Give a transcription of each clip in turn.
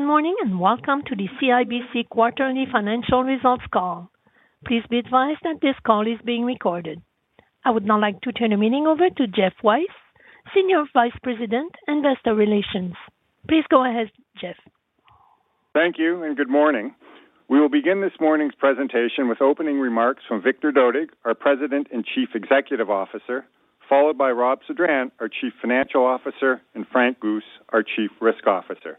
Good morning, and welcome to the CIBC Quarterly Financial Results Call. Please be advised that this call is being recorded. I would now like to turn the meeting over to Geoff Weiss, Senior Vice President, Investor Relations. Please go ahead, Geoff. Thank you and good morning. We will begin this morning's presentation with opening remarks from Victor Dodig, our President and Chief Executive Officer, followed by Rob Sedran, our Chief Financial Officer, and Frank Guse, our Chief Risk Officer.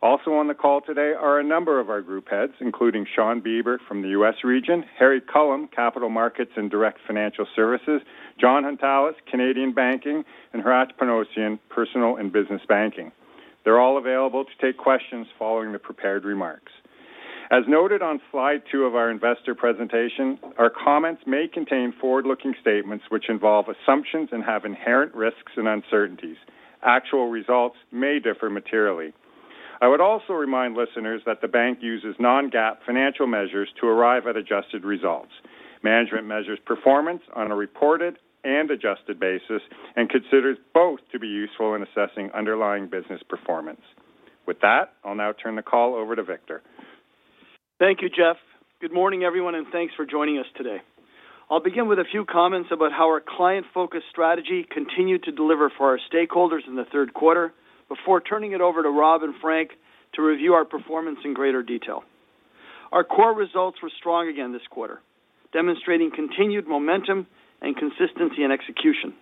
Also on the call today are a number of our group heads, including Shawn Beber from the U.S. region, Harry Culham, Capital Markets and Direct Financial Services, Jon Hountalas, Canadian Banking, and Hratch Panossian, Personal and Business Banking. They're all available to take questions following the prepared remarks. As noted on slide two of our investor presentation, our comments may contain forward-looking statements which involve assumptions and have inherent risks and uncertainties. Actual results may differ materially. I would also remind listeners that the bank uses non-GAAP financial measures to arrive at adjusted results. Management measures performance on a reported and adjusted basis and considers both to be useful in assessing underlying business performance. With that, I'll now turn the call over to Victor. Thank you, Geoff. Good morning, everyone, and thanks for joining us today. I'll begin with a few comments about how our client-focused strategy continued to deliver for our stakeholders in the third quarter before turning it over to Rob and Frank to review our performance in greater detail. Our core results were strong again this quarter, demonstrating continued momentum and consistency in execution,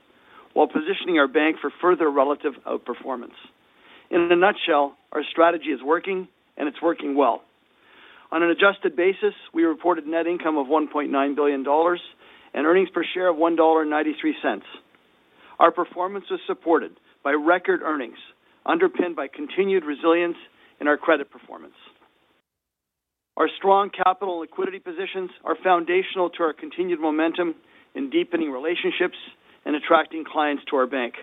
while positioning our bank for further relative outperformance. In a nutshell, our strategy is working, and it's working well. On an adjusted basis, we reported net income of 1.9 billion dollars and earnings per share of 1.93 dollar. Our performance was supported by record earnings, underpinned by continued resilience in our credit performance. Our strong capital liquidity positions are foundational to our continued momentum in deepening relationships and attracting clients to our bank.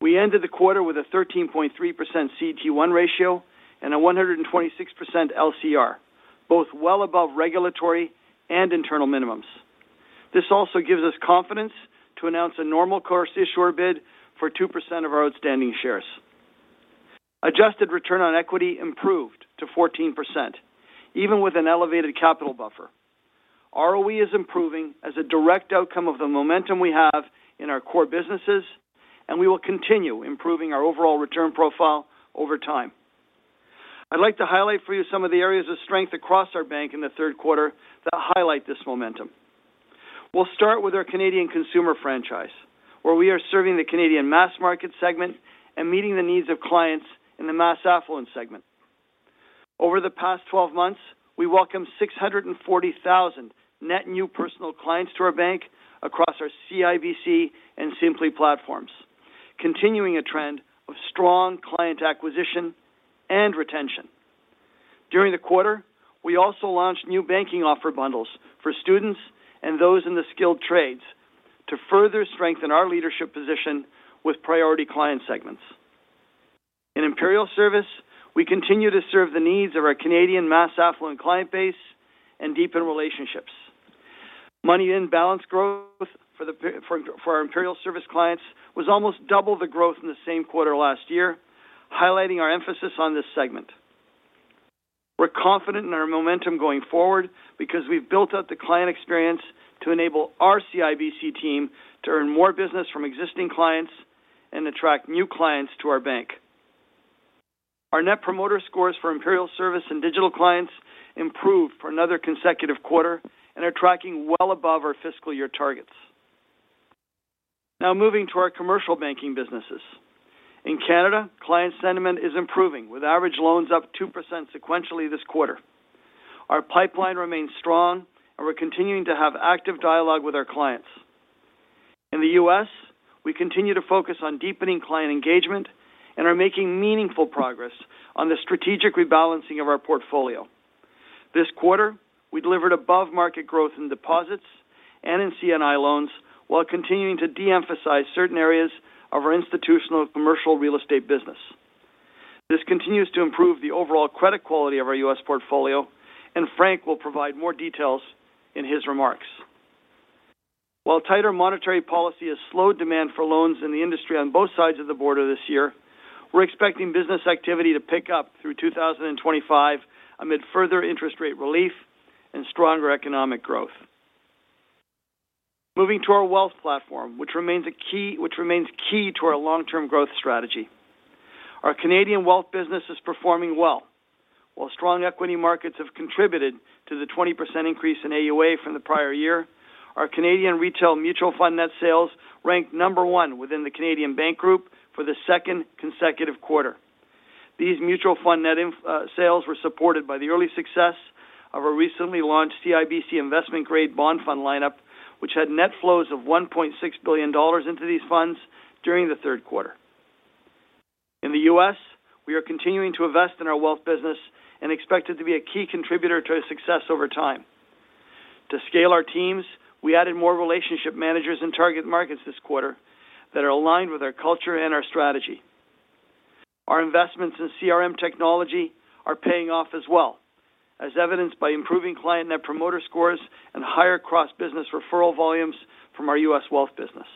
We ended the quarter with a 13.3% CET1 ratio and a 126% LCR, both well above regulatory and internal minimums. This also gives us confidence to announce a normal course issuer bid for 2% of our outstanding shares. Adjusted return on equity improved to 14%, even with an elevated capital buffer. ROE is improving as a direct outcome of the momentum we have in our core businesses, and we will continue improving our overall return profile over time. I'd like to highlight for you some of the areas of strength across our bank in the third quarter that highlight this momentum. We'll start with our Canadian consumer franchise, where we are serving the Canadian mass market segment and meeting the needs of clients in the mass affluent segment. Over the past twelve months, we welcomed six hundred and forty thousand net new personal clients to our bank across our CIBC and Simplii platforms, continuing a trend of strong client acquisition and retention. During the quarter, we also launched new banking offer bundles for students and those in the skilled trades to further strengthen our leadership position with priority client segments. In Imperial Service, we continue to serve the needs of our Canadian mass affluent client base and deepen relationships. Money in balance growth for our Imperial Service clients was almost double the growth in the same quarter last year, highlighting our emphasis on this segment. We're confident in our momentum going forward because we've built up the client experience to enable our CIBC team to earn more business from existing clients and attract new clients to our bank. Our net promoter scores for Imperial Service and digital clients improved for another consecutive quarter and are tracking well above our fiscal year targets. Now moving to our commercial banking businesses. In Canada, client sentiment is improving, with average loans up 2% sequentially this quarter. Our pipeline remains strong, and we're continuing to have active dialogue with our clients. In the U.S., we continue to focus on deepening client engagement and are making meaningful progress on the strategic rebalancing of our portfolio. This quarter, we delivered above-market growth in deposits and in C&I loans, while continuing to de-emphasize certain areas of our institutional commercial real estate business. This continues to improve the overall credit quality of our U.S. portfolio, and Frank will provide more details in his remarks. While tighter monetary policy has slowed demand for loans in the industry on both sides of the border this year, we're expecting business activity to pick up through two thousand and twenty-five amid further interest rate relief and stronger economic growth. Moving to our wealth platform, which remains key to our long-term growth strategy. Our Canadian Wealth business is performing well. While strong equity markets have contributed to the 20% increase in AUA from the prior year, our Canadian retail mutual fund net sales ranked number one within the Canadian bank group for the second consecutive quarter. These mutual fund net sales were supported by the early success of our recently launched CIBC Investment Grade Bond Fund lineup, which had net flows of 1.6 billion dollars into these funds during the third quarter. In the U.S., we are continuing to invest in our Wealth business and expect it to be a key contributor to its success over time. To scale our teams, we added more relationship managers in target markets this quarter that are aligned with our culture and our strategy. Our investments in CRM technology are paying off as well, as evidenced by improving client net promoter scores and higher cross-business referral volumes from our U.S. Wealth business.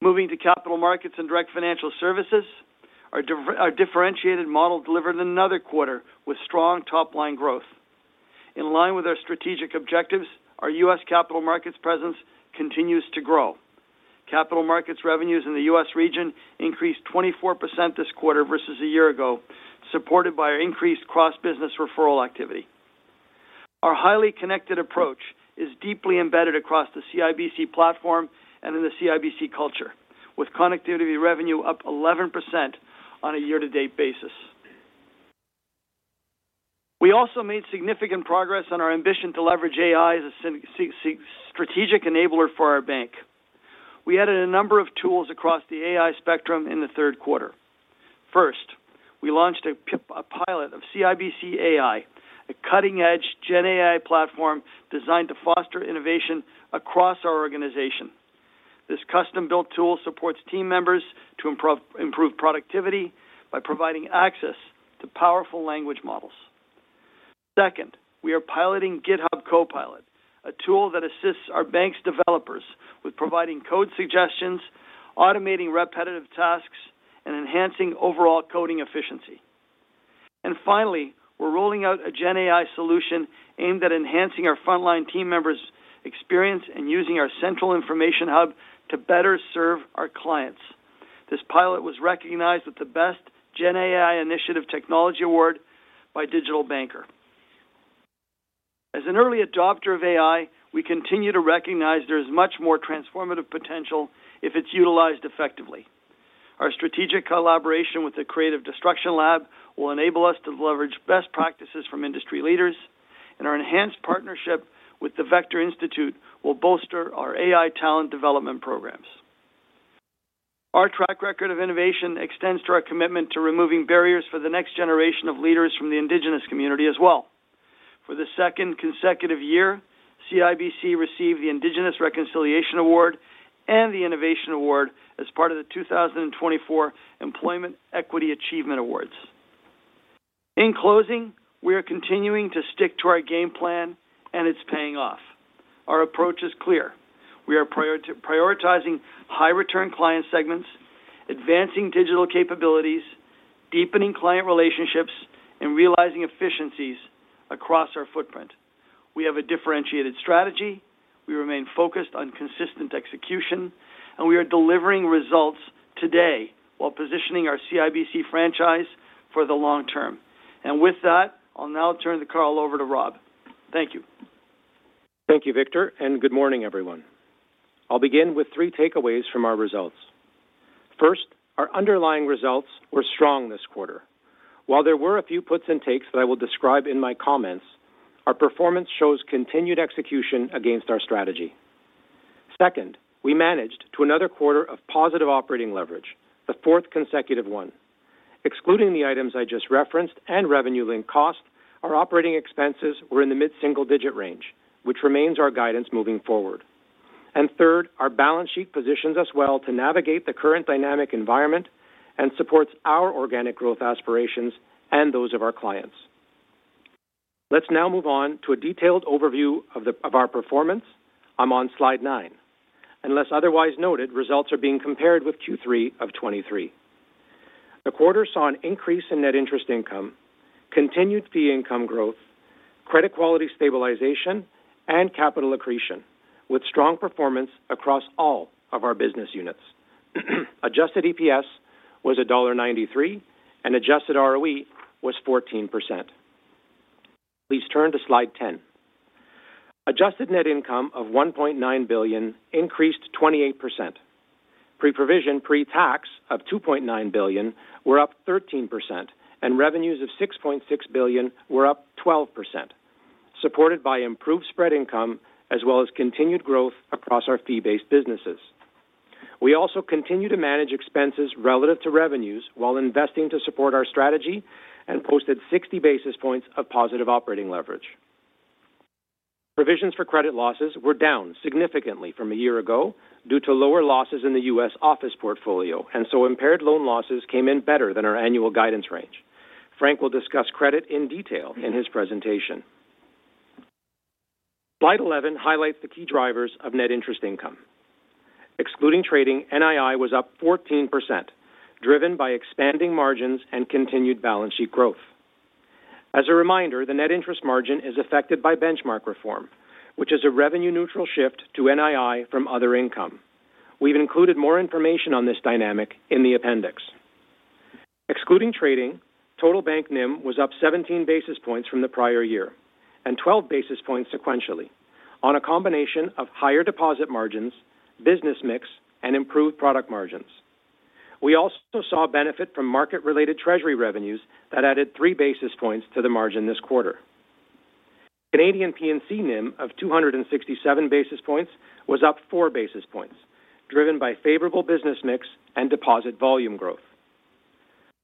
Moving to Capital Markets and Direct Financial ervices, our differentiated model delivered another quarter with strong top-line growth. In line with our strategic objectives, our U.S. Capital Markets presence continues to grow. Capital Markets revenues in the U.S. region increased 24% this quarter versus a year ago, supported by our increased cross-business referral activity. Our highly connected approach is deeply embedded across the CIBC platform and in the CIBC culture, with connectivity revenue up 11% on a year-to-date basis. We also made significant progress on our ambition to leverage AI as a strategic enabler for our bank. We added a number of tools across the AI spectrum in the third quarter. First, we launched a pilot of CIBC AI, a cutting-edge GenAI platform designed to foster innovation across our organization. This custom-built tool supports team members to improve productivity by providing access to powerful language models. Second, we are piloting GitHub Copilot, a tool that assists our bank's developers with providing code suggestions, automating repetitive tasks, and enhancing overall coding efficiency. And finally, we're rolling out a GenAI solution aimed at enhancing our frontline team members' experience and using our central information hub to better serve our clients. This pilot was recognized with the Best GenAI Initiative Technology Award by Digital Banker. As an early adopter of AI, we continue to recognize there is much more transformative potential if it's utilized effectively. Our strategic collaboration with the Creative Destruction Lab will enable us to leverage best practices from industry leaders, and our enhanced partnership with the Vector Institute will bolster our AI talent development programs. Our track record of innovation extends to our commitment to removing barriers for the next generation of leaders from the Indigenous community as well. For the second consecutive year, CIBC received the Indigenous Reconciliation Award and the Innovation Award as part of the 2024 Employment Equity Achievement Awards. In closing, we are continuing to stick to our game plan, and it's paying off. Our approach is clear: We are prioritizing high-return client segments, advancing digital capabilities, deepening client relationships, and realizing efficiencies across our footprint. We have a differentiated strategy, we remain focused on consistent execution, and we are delivering results today while positioning our CIBC franchise for the long term, and with that, I'll now turn the call over to Rob. Thank you. Thank you, Victor, and good morning, everyone. I'll begin with three takeaways from our results. First, our underlying results were strong this quarter. While there were a few puts and takes that I will describe in my comments, our performance shows continued execution against our strategy. Second, we managed to another quarter of positive operating leverage, the fourth consecutive one. Excluding the items I just referenced and revenue-linked costs, our operating expenses were in the mid-single-digit range, which remains our guidance moving forward. Third, our balance sheet positions us well to navigate the current dynamic environment and supports our organic growth aspirations and those of our clients. Let's now move on to a detailed overview of our performance. I'm on slide nine. Unless otherwise noted, results are being compared with Q3 of 2023. The quarter saw an increase in net interest income, continued fee income growth, credit quality stabilization, and capital accretion, with strong performance across all of our business units. Adjusted EPS was dollar 1.93, and adjusted ROE was 14%. Please turn to slide 10. Adjusted net income of 1.9 billion increased 28%. Pre-provision, pre-tax of 2.9 billion were up 13%, and revenues of 6.6 billion were up 12%, supported by improved spread income, as well as continued growth across our fee-based businesses. We also continue to manage expenses relative to revenues while investing to support our strategy and posted 60 basis points of positive operating leverage. Provisions for credit losses were down significantly from a year ago due to lower losses in the U.S. office portfolio, and so impaired loan losses came in better than our annual guidance range. Frank will discuss credit in detail in his presentation. Slide 11 highlights the key drivers of net interest income. Excluding trading, NII was up 14%, driven by expanding margins and continued balance sheet growth. As a reminder, the net interest margin is affected by benchmark reform, which is a revenue-neutral shift to NII from other income. We've included more information on this dynamic in the appendix. Excluding trading, total bank NIM was up 17 basis points from the prior year, and 12 basis points sequentially on a combination of higher deposit margins, business mix, and improved product margins. We also saw benefit from market-related treasury revenues that added 3 basis points to the margin this quarter. Canadian P&C NIM of 267 basis points was up 4 basis points, driven by favorable business mix and deposit volume growth.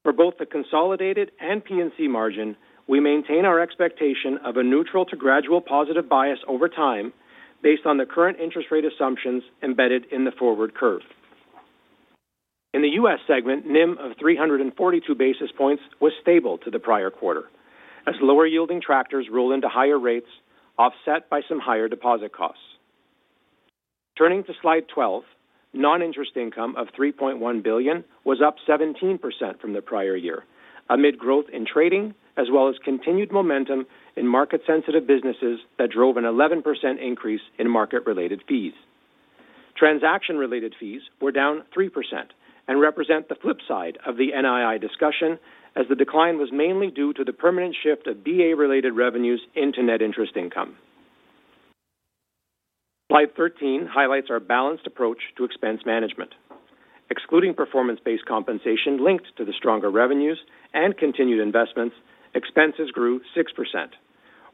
For both the consolidated and P&C margin, we maintain our expectation of a neutral to gradual positive bias over time based on the current interest rate assumptions embedded in the forward curve. In the U.S. segment, NIM of 342 basis points was stable to the prior quarter, as lower-yielding assets rolled into higher rates, offset by some higher deposit costs. Turning to slide 12, non-interest income of 3.1 billion was up 17% from the prior year, amid growth in trading, as well as continued momentum in market-sensitive businesses that drove an 11% increase in market-related fees. Transaction-related fees were down 3% and represent the flip side of the NII discussion, as the decline was mainly due to the permanent shift of DA-related revenues into net interest income. Slide 13 highlights our balanced approach to expense management. Excluding performance-based compensation linked to the stronger revenues and continued investments, expenses grew 6%.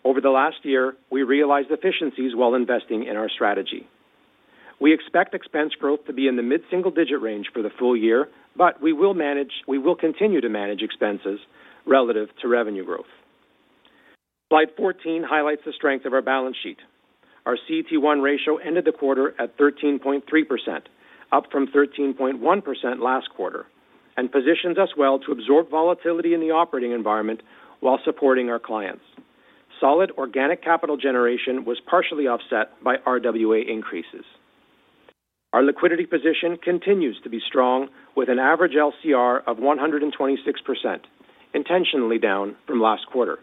Over the last year, we realized efficiencies while investing in our strategy. We expect expense growth to be in the mid-single digit range for the full year, but we will continue to manage expenses relative to revenue growth. Slide 14 highlights the strength of our balance sheet. Our CET1 ratio ended the quarter at 13.3%, up from 13.1% last quarter, and positions us well to absorb volatility in the operating environment while supporting our clients. Solid organic capital generation was partially offset by RWA increases. Our liquidity position continues to be strong, with an average LCR of 126%, intentionally down from last quarter.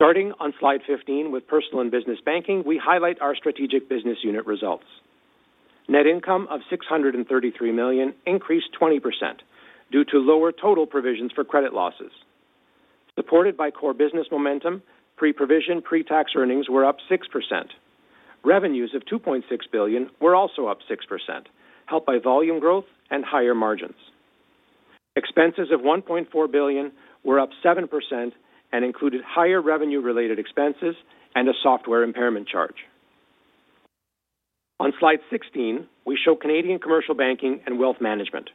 Starting on slide 15, with Personal and Business Banking, we highlight our strategic business unit results. Net income of 633 million increased 20% due to lower total provisions for credit losses. Supported by core business momentum, pre-provision, pre-tax earnings were up 6%. Revenues of 2.6 billion were also up 6%, helped by volume growth and higher margins. Expenses of 1.4 billion were up 7% and included higher revenue-related expenses and a software impairment charge. On slide 16, we show Canadian Commercial Banking and Wealth Management,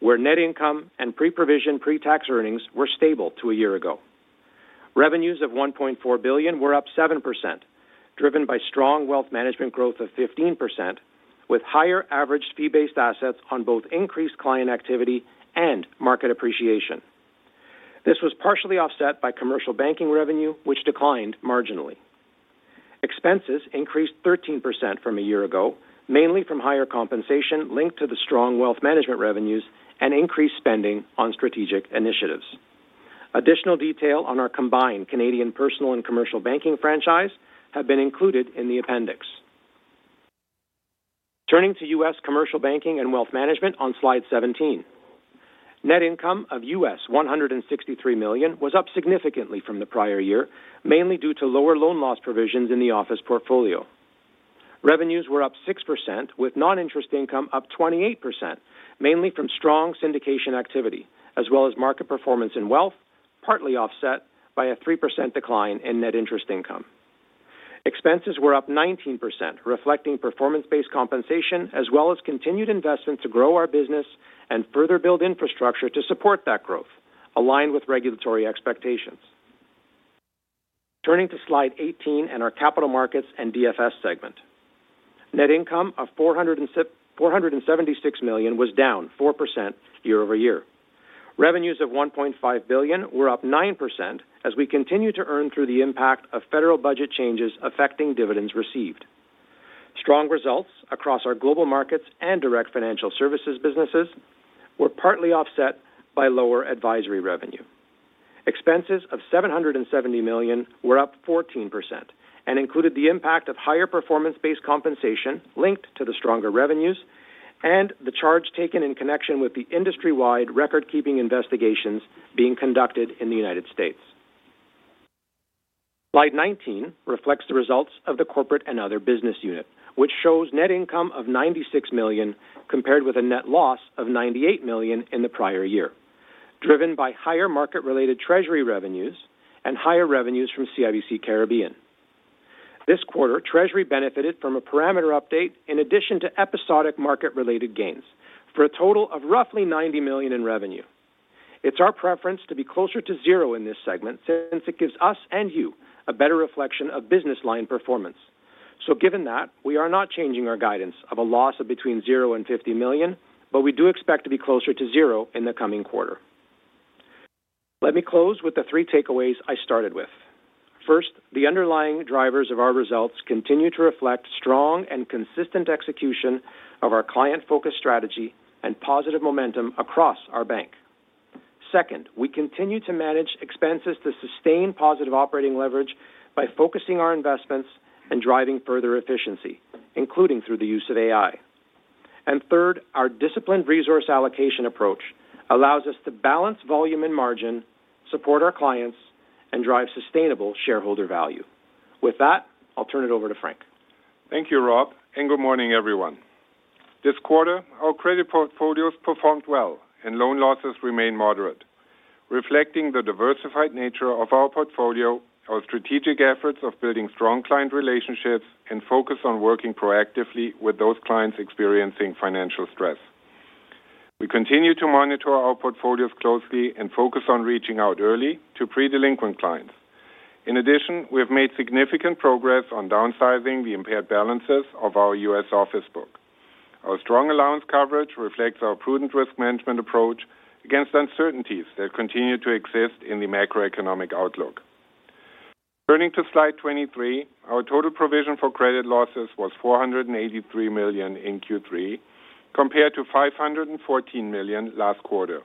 where net income and pre-provision, pre-tax earnings were stable to a year ago. Revenues of 1.4 billion were up 7%, driven by strong wealth management growth of 15%, with higher average fee-based assets on both increased client activity and market appreciation. This was partially offset by commercial banking revenue, which declined marginally. Expenses increased 13% from a year ago, mainly from higher compensation linked to the strong wealth management revenues and increased spending on strategic initiatives. Additional detail on our combined Canadian personal and commercial banking franchise have been included in the appendix. Turning to U.S. Commercial Banking and Wealth Management on slide 17. Net income of $163 million was up significantly from the prior year, mainly due to lower loan loss provisions in the office portfolio. Revenues were up 6%, with non-interest income up 28%, mainly from strong syndication activity, as well as market performance and wealth, partly offset by a 3% decline in net interest income. Expenses were up 19%, reflecting performance-based compensation, as well as continued investment to grow our business and further build infrastructure to support that growth, aligned with regulatory expectations. Turning to slide 18 and our Capital Markets and DFS segment. Net income of 476 million was down 4% year over year. Revenues of 1.5 billion were up 9% as we continue to earn through the impact of federal budget changes affecting dividends received. Strong results across our global markets and Direct Financial Services businesses were partly offset by lower advisory revenue. Expenses of 770 million were up 14% and included the impact of higher performance-based compensation linked to the stronger revenues and the charge taken in connection with the industry-wide record-keeping investigations being conducted in the United States. Slide 19 reflects the results of the corporate and other business unit, which shows net income of 96 million, compared with a net loss of 98 million in the prior year, driven by higher market-related treasury revenues and higher revenues from CIBC Caribbean. This quarter, Treasury benefited from a parameter update in addition to episodic market-related gains, for a total of roughly 90 million in revenue. It's our preference to be closer to zero in this segment, since it gives us and you a better reflection of business line performance. So given that, we are not changing our guidance of a loss of between 0 and 50 million, but we do expect to be closer to 0 in the coming quarter. Let me close with the three takeaways I started with. First, the underlying drivers of our results continue to reflect strong and consistent execution of our client-focused strategy and positive momentum across our bank. Second, we continue to manage expenses to sustain positive operating leverage by focusing our investments and driving further efficiency, including through the use of AI. And third, our disciplined resource allocation approach allows us to balance volume and margin, support our clients, and drive sustainable shareholder value. With that, I'll turn it over to Frank. Thank you, Rob, and good morning, everyone. This quarter, our credit portfolios performed well and loan losses remain moderate, reflecting the diversified nature of our portfolio, our strategic efforts of building strong client relationships, and focus on working proactively with those clients experiencing financial stress. We continue to monitor our portfolios closely and focus on reaching out early to pre-delinquent clients. In addition, we have made significant progress on downsizing the impaired balances of our U.S. office book. Our strong allowance coverage reflects our prudent risk management approach against uncertainties that continue to exist in the macroeconomic outlook. Turning to slide 23, our total provision for credit losses was 483 million in Q3, compared to 514 million last quarter,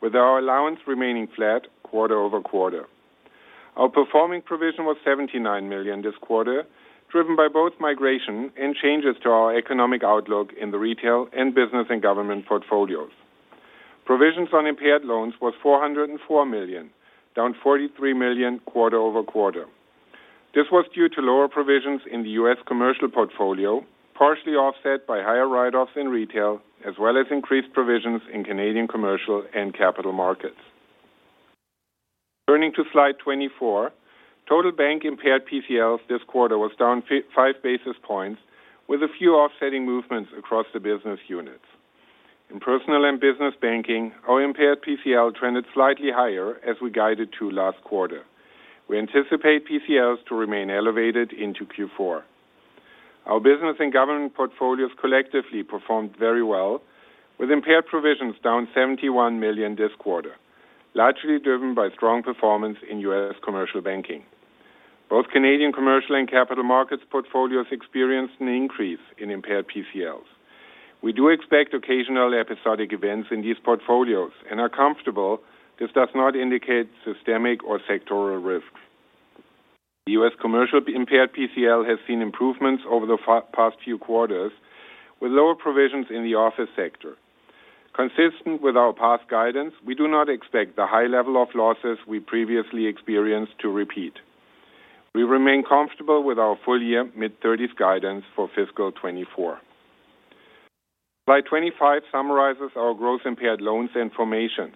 with our allowance remaining flat quarter-over-quarter. Our performing provision was 79 million this quarter, driven by both migration and changes to our economic outlook in the retail and business and government portfolios. Provisions on impaired loans was 404 million, down 43 million quarter-over-quarter. This was due to lower provisions in the U.S. commercial portfolio, partially offset by higher write-offs in retail, as well as increased provisions in Canadian commercial and capital markets. Turning to slide 24, total bank impaired PCLs this quarter was down 5 basis points, with a few offsetting movements across the business units. In Personal and Business Banking, our impaired PCL trended slightly higher as we guided to last quarter. We anticipate PCLs to remain elevated into Q4. Our business and government portfolios collectively performed very well, with impaired provisions down 71 million this quarter, largely driven by strong performance in U.S. commercial banking. Both Canadian Commercial and Capital Markets portfolios experienced an increase in impaired PCLs. We do expect occasional episodic events in these portfolios and are comfortable this does not indicate systemic or sectoral risk. The U.S. commercial impaired PCL has seen improvements over the past few quarters, with lower provisions in the office sector. Consistent with our past guidance, we do not expect the high level of losses we previously experienced to repeat. We remain comfortable with our full year mid-30s guidance for fiscal 2024. Slide 25 summarizes our gross impaired loans and formations.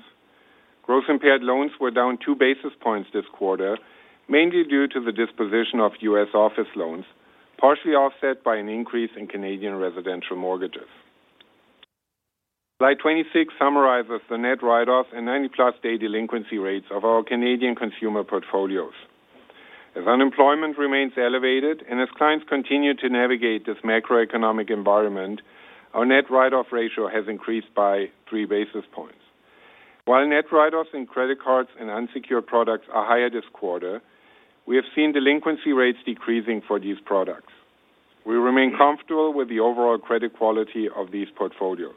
Gross impaired loans were down two basis points this quarter, mainly due to the disposition of U.S. office loans, partially offset by an increase in Canadian residential mortgages. Slide 26 summarizes the net write-offs and 90-plus day delinquency rates of our Canadian consumer portfolios. As unemployment remains elevated and as clients continue to navigate this macroeconomic environment, our net write-off ratio has increased by three basis points. While net write-offs in credit cards and unsecured products are higher this quarter, we have seen delinquency rates decreasing for these products. We remain comfortable with the overall credit quality of these portfolios.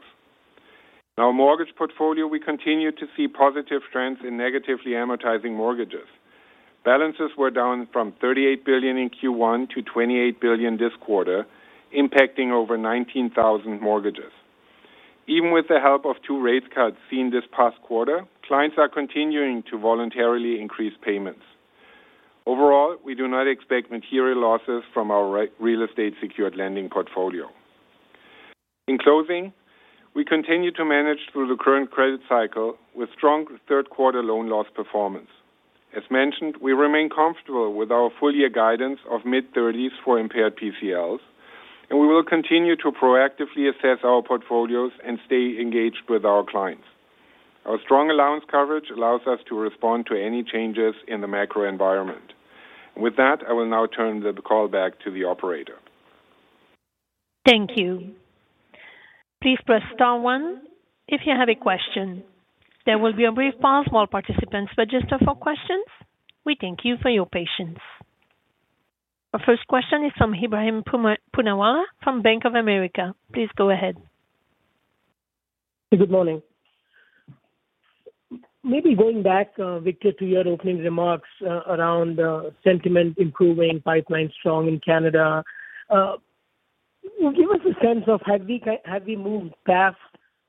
In our mortgage portfolio, we continue to see positive trends in negatively amortizing mortgages. Balances were down from 38 billion in Q1 to 28 billion this quarter, impacting over 19,000 mortgages. Even with the help of two rate cuts seen this past quarter, clients are continuing to voluntarily increase payments. Overall, we do not expect material losses from our real estate secured lending portfolio. In closing, we continue to manage through the current credit cycle with strong third quarter loan loss performance. As mentioned, we remain comfortable with our full year guidance of mid-thirties for impaired PCLs, and we will continue to proactively assess our portfolios and stay engaged with our clients. Our strong allowance coverage allows us to respond to any changes in the macro environment. With that, I will now turn the call back to the operator. Thank you. Please press star one if you have a question. There will be a brief pause while participants register for questions. We thank you for your patience. Our first question is from Ebrahim Poonawala from Bank of America. Please go ahead. Good morning. Maybe going back, Victor, to your opening remarks, around sentiment improving, pipeline strong in Canada. Give us a sense of have we moved past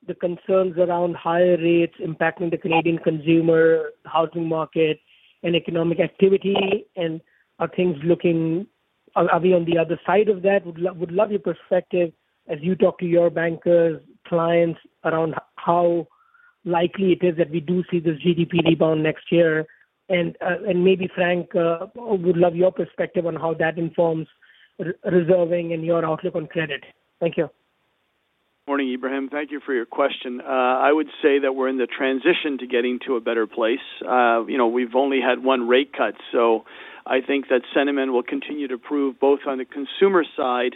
the concerns around higher rates impacting the Canadian consumer, housing market, and economic activity? And are things looking? Are we on the other side of that? Would love your perspective as you talk to your bankers, clients, around how likely it is that we do see this GDP rebound next year. And maybe, Frank, would love your perspective on how that informs reserving and your outlook on credit. Thank you. Morning, Ebrahim. Thank you for your question. I would say that we're in the transition to getting to a better place. You know, we've only had one rate cut, so I think that sentiment will continue to improve both on the consumer side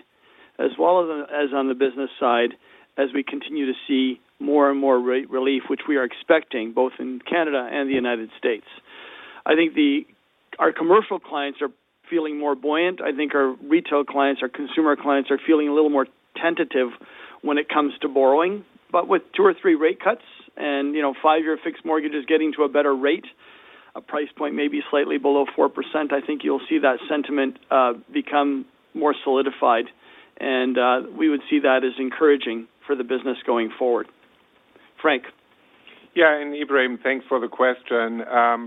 as well as on the business side, as we continue to see more and more relief, which we are expecting both in Canada and the United States. I think our commercial clients are feeling more buoyant. I think our retail clients, our consumer clients, are feeling a little more tentative when it comes to borrowing. But with two or three rate cuts and, you know, five-year fixed mortgages getting to a better rate, a price point maybe slightly below 4%, I think you'll see that sentiment become more solidified, and we would see that as encouraging for the business going forward. Frank? Yeah, and Ebrahim, thanks for the question.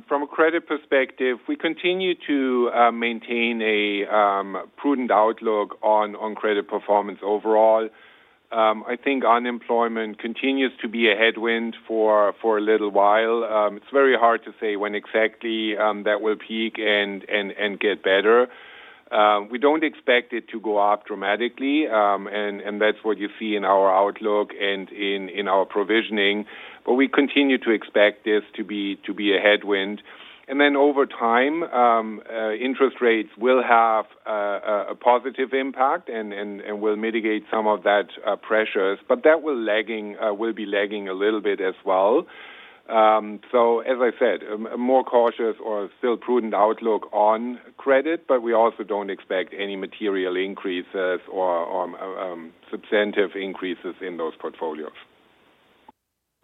From a credit perspective, we continue to maintain a prudent outlook on credit performance overall. I think unemployment continues to be a headwind for a little while. It's very hard to say when exactly that will peak and get better. We don't expect it to go up dramatically, and that's what you see in our outlook and in our provisioning. But we continue to expect this to be a headwind. And then over time, interest rates will have a positive impact and will mitigate some of that pressures, but that will be lagging a little bit as well. So as I said, a more cautious or still prudent outlook on credit, but we also don't expect any material increases or substantive increases in those portfolios.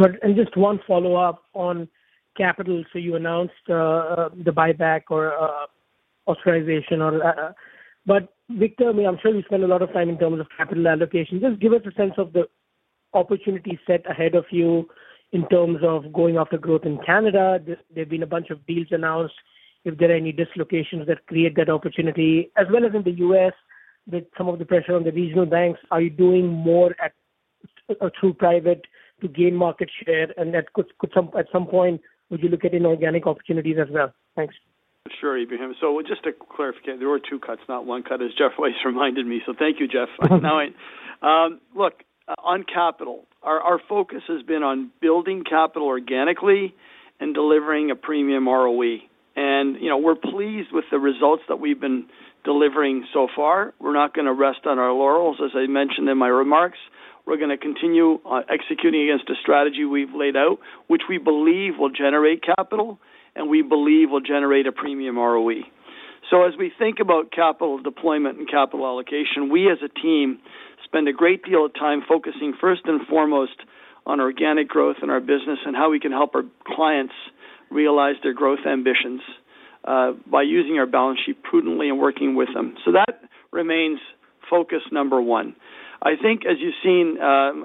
And just one follow-up on capital. So you announced the buyback or authorization on. But Victor, I mean, I'm sure you spend a lot of time in terms of capital allocation. Just give us a sense of the opportunity set ahead of you in terms of going after growth in Canada. There have been a bunch of deals announced, if there are any dislocations that create that opportunity, as well as in the U.S., with some of the pressure on the regional banks. Are you doing more at through private to gain market share? And that could at some point would you look at inorganic opportunities as well? Thanks. Sure, Ebrahim. So just to clarify, there were two cuts, not one cut, as Geoff always reminded me. So thank you, Geoff. Look, on capital, our focus has been on building capital organically and delivering a premium ROE. And, you know, we're pleased with the results that we've been delivering so far. We're not gonna rest on our laurels as I mentioned in my remarks. We're gonna continue executing against the strategy we've laid out, which we believe will generate capital and we believe will generate a premium ROE. So as we think about capital deployment and capital allocation, we as a team spend a great deal of time focusing first and foremost on organic growth in our business and how we can help our clients realize their growth ambitions by using our balance sheet prudently and working with them. So that remains focus number one. I think as you've seen,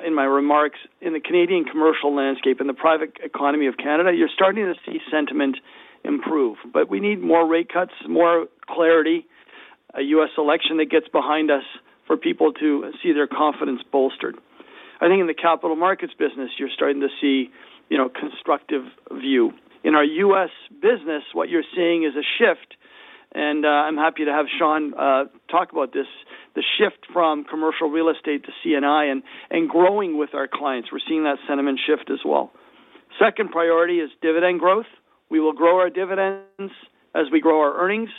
in my remarks, in the Canadian commercial landscape, in the private economy of Canada, you're starting to see sentiment improve, but we need more rate cuts, more clarity, a U.S. election that gets behind us for people to see their confidence bolstered. I think in the Capital Markets business, you're starting to see, you know, constructive view. In our U.S. business, what you're seeing is a shift, and I'm happy to have Shawn talk about this, the shift from commercial real estate to C&I and growing with our clients. We're seeing that sentiment shift as well. Second priority is dividend growth. We will grow our dividends as we grow our earnings.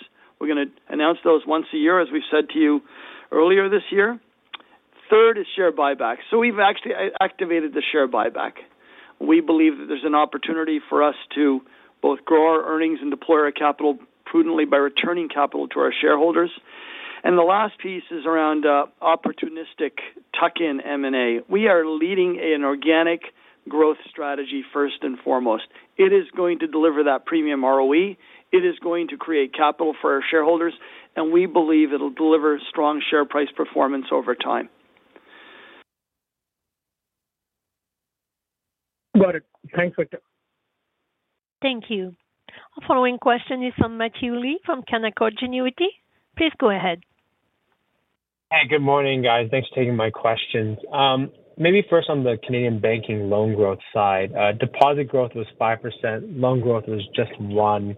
We're gonna announce those once a year, as we've said to you earlier this year. Third is share buyback. So we've actually activated the share buyback. We believe that there's an opportunity for us to both grow our earnings and deploy our capital prudently by returning capital to our shareholders. And the last piece is around opportunistic tuck-in M&A. We are leading an organic growth strategy, first and foremost. It is going to deliver that premium ROE. It is going to create capital for our shareholders, and we believe it'll deliver strong share price performance over time. Got it. Thanks, Victor. Thank you. Our following question is from Matthew Lee, from Canaccord Genuity. Please go ahead. Hi, good morning, guys. Thanks for taking my questions. Maybe first on the Canadian banking loan growth side, deposit growth was 5%, loan growth was just 1%.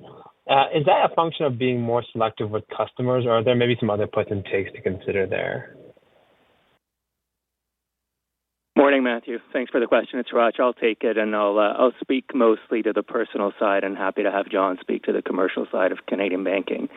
Is that a function of being more selective with customers, or are there maybe some other puts and takes to consider there? Morning, Matthew. Thanks for the question. It's Hratch. I'll take it, and I'll speak mostly to the personal side and happy to have Jon speak to the commercial side of Canadian Banking.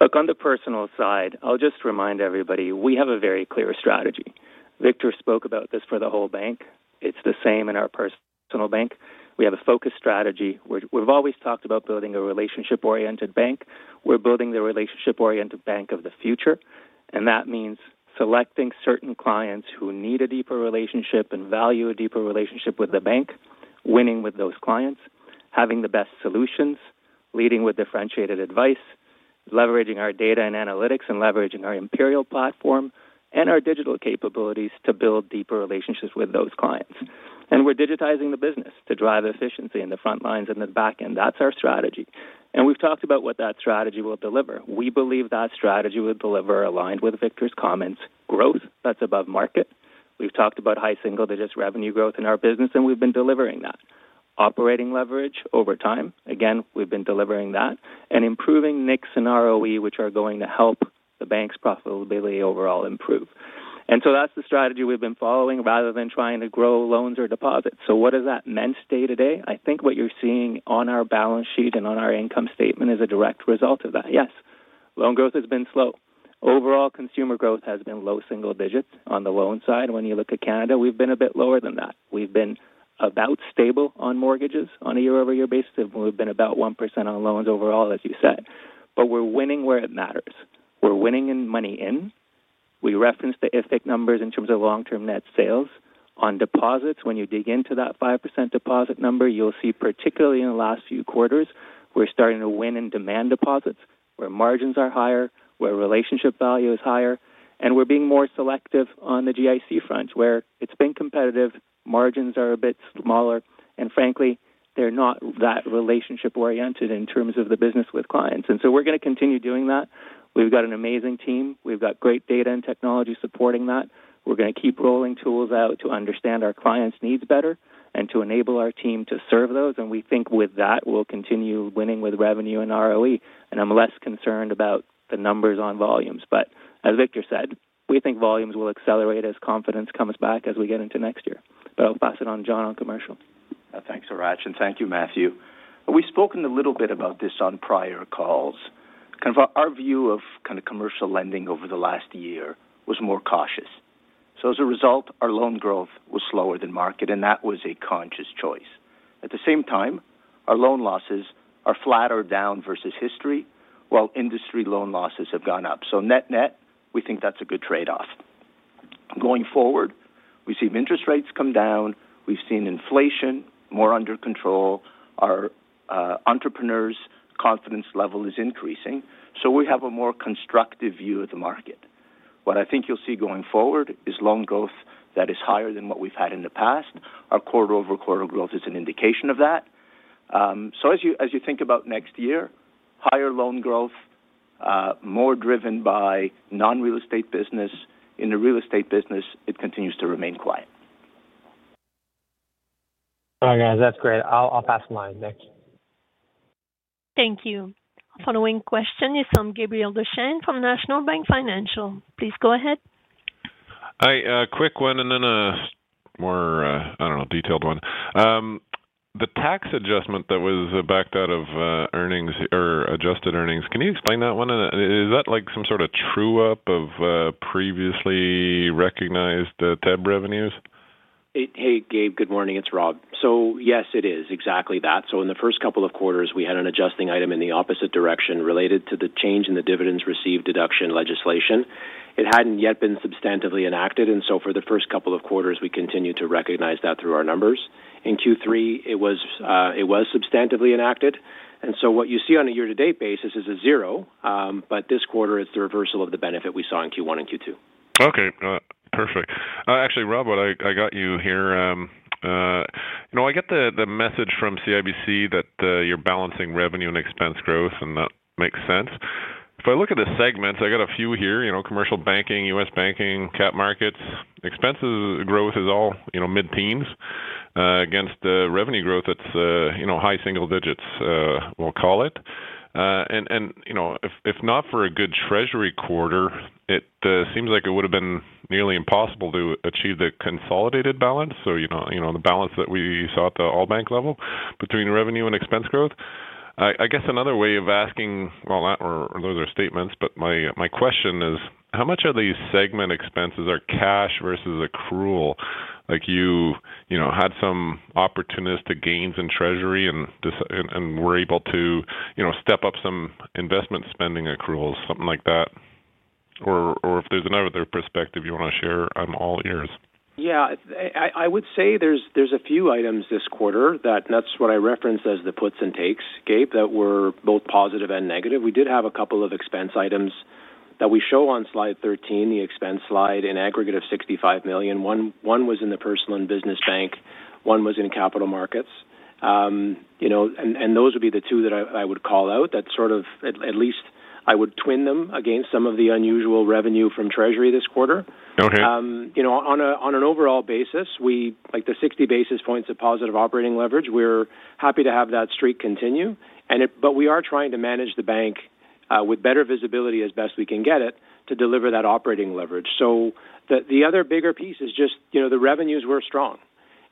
Look, on the personal side, I'll just remind everybody, we have a very clear strategy. Victor spoke about this for the whole bank. It's the same in our personal bank. We have a focused strategy, where we've always talked about building a relationship-oriented bank. We're building the relationship-oriented bank of the future, and that means selecting certain clients who need a deeper relationship and value a deeper relationship with the bank, winning with those clients, having the best solutions, leading with differentiated advice, leveraging our data and analytics, and leveraging our imperial platform and our digital capabilities to build deeper relationships with those clients. We're digitizing the business to drive efficiency in the front lines and the back end. That's our strategy. We've talked about what that strategy will deliver. We believe that strategy will deliver, aligned with Victor's comments, growth that's above market. We've talked about high single digits revenue growth in our business, and we've been delivering that. Operating leverage over time. Again, we've been delivering that. Improving NIMs and ROE, which are going to help the bank's profitability overall improve. That's the strategy we've been following rather than trying to grow loans or deposits. What does that meant day to day? I think what you're seeing on our balance sheet and on our income statement is a direct result of that. Yes, loan growth has been slow. Overall, consumer growth has been low single digits on the loan side. When you look at Canada, we've been a bit lower than that. We've been about stable on mortgages on a year-over-year basis, and we've been about 1% on loans overall, as you said. But we're winning where it matters. We're winning in money in. We referenced the IFIC numbers in terms of long-term net sales. On deposits, when you dig into that 5% deposit number, you'll see, particularly in the last few quarters, we're starting to win in demand deposits, where margins are higher, where relationship value is higher, and we're being more selective on the GIC front, where it's been competitive, margins are a bit smaller, and frankly, they're not that relationship-oriented in terms of the business with clients. And so we're gonna continue doing that. We've got an amazing team. We've got great data and technology supporting that. We're gonna keep rolling tools out to understand our clients' needs better and to enable our team to serve those, and we think with that, we'll continue winning with revenue and ROE, and I'm less concerned about the numbers on volumes, but as Victor said, we think volumes will accelerate as confidence comes back as we get into next year, so I'll pass it on to Jon on commercial. Thanks, Hratch, and thank you, Matthew. We've spoken a little bit about this on prior calls. Kind of our view of kind of commercial lending over the last year was more cautious. So as a result, our loan growth was slower than market, and that was a conscious choice. At the same time, our loan losses are flat or down versus history, while industry loan losses have gone up. So net-net, we think that's a good trade-off. Going forward, we've seen interest rates come down. We've seen inflation more under control. Our entrepreneurs' confidence level is increasing, so we have a more constructive view of the market. What I think you'll see going forward is loan growth that is higher than what we've had in the past. Our quarter-over-quarter growth is an indication of that. So as you think about next year, higher loan growth, more driven by non-real estate business. In the real estate business, it continues to remain quiet. All right, guys, that's great. I'll, I'll pass the line to the next. Thank you. Following question is from Gabriel Dechaine, from National Bank Financial. Please go ahead. Hi, a quick one, and then a more, I don't know, detailed one. The tax adjustment that was backed out of earnings or adjusted earnings, can you explain that one? And is that like some sort of true up of previously recognized TEB revenues? Hey, Gabe, good morning. It's Rob. So yes, it is exactly that. So in the first couple of quarters, we had an adjusting item in the opposite direction related to the change in the dividends received deduction legislation. It hadn't yet been substantively enacted, and so for the first couple of quarters, we continued to recognize that through our numbers. In Q3, it was substantively enacted, and so what you see on a year-to-date basis is a zero, but this quarter, it's the reversal of the benefit we saw in Q1 and Q2. Okay, perfect. Actually, Rob, while I got you here, you know, I get the message from CIBC that you're balancing revenue and expense growth, and that makes sense. If I look at the segments, I got a few here, you know, commercial banking, U.S. banking, cap markets, expenses growth is all, you know, mid-teens against the revenue growth, that's, you know, high single digits, we'll call it. And you know, if not for a good treasury quarter, it seems like it would have been nearly impossible to achieve the consolidated balance. So you know, the balance that we saw at the all bank level between revenue and expense growth. I guess another way of asking, well, not or those are statements, but my question is: how much of these segment expenses are cash versus accrual? Like, you know, had some opportunistic gains in Treasury and direct and were able to, you know, step up some investment spending accruals, something like that, or if there's another perspective you want to share, I'm all ears. Yeah, I would say there's a few items this quarter. That's what I referenced as the puts and takes, Gabe, that were both positive and negative. We did have a couple of expense items that we show on slide 13, the expense slide, an aggregate of 65 million. One was in the Personal and Business Bank, one was in Capital Markets. You know, and those would be the two that I would call out. That at least I would twin them against some of the unusual revenue from Treasury this quarter. Okay. You know, on an overall basis, we like the 60 basis points of positive operating leverage. We're happy to have that streak continue. But we are trying to manage the bank with better visibility as best we can get it, to deliver that operating leverage. So the other bigger piece is just, you know, the revenues were strong.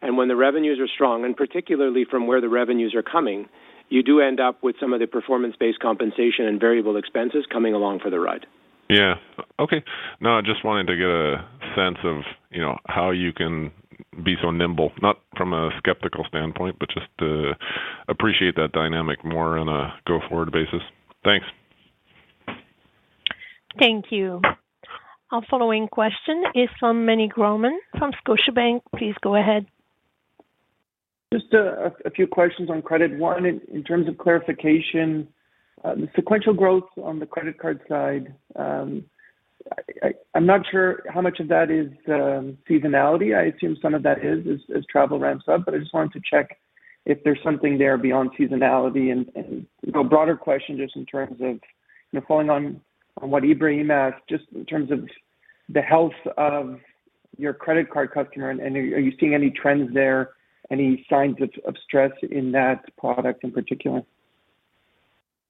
And when the revenues are strong, and particularly from where the revenues are coming, you do end up with some of the performance-based compensation and variable expenses coming along for the ride. Yeah. Okay. No, I just wanted to get a sense of, you know, how you can be so nimble, not from a skeptical standpoint, but just to appreciate that dynamic more on a go-forward basis. Thanks. Thank you. Our following question is from Meny Grauman from Scotiabank. Please go ahead. Just a few questions on credit. One, in terms of clarification, the sequential growth on the credit card side, I'm not sure how much of that is seasonality. I assume some of that is, as travel ramps up, but I just wanted to check if there's something there beyond seasonality. And you know, broader question, just in terms of following on what Ebrahim asked, just in terms of the health of your credit card customer, and are you seeing any trends there, any signs of stress in that product in particular?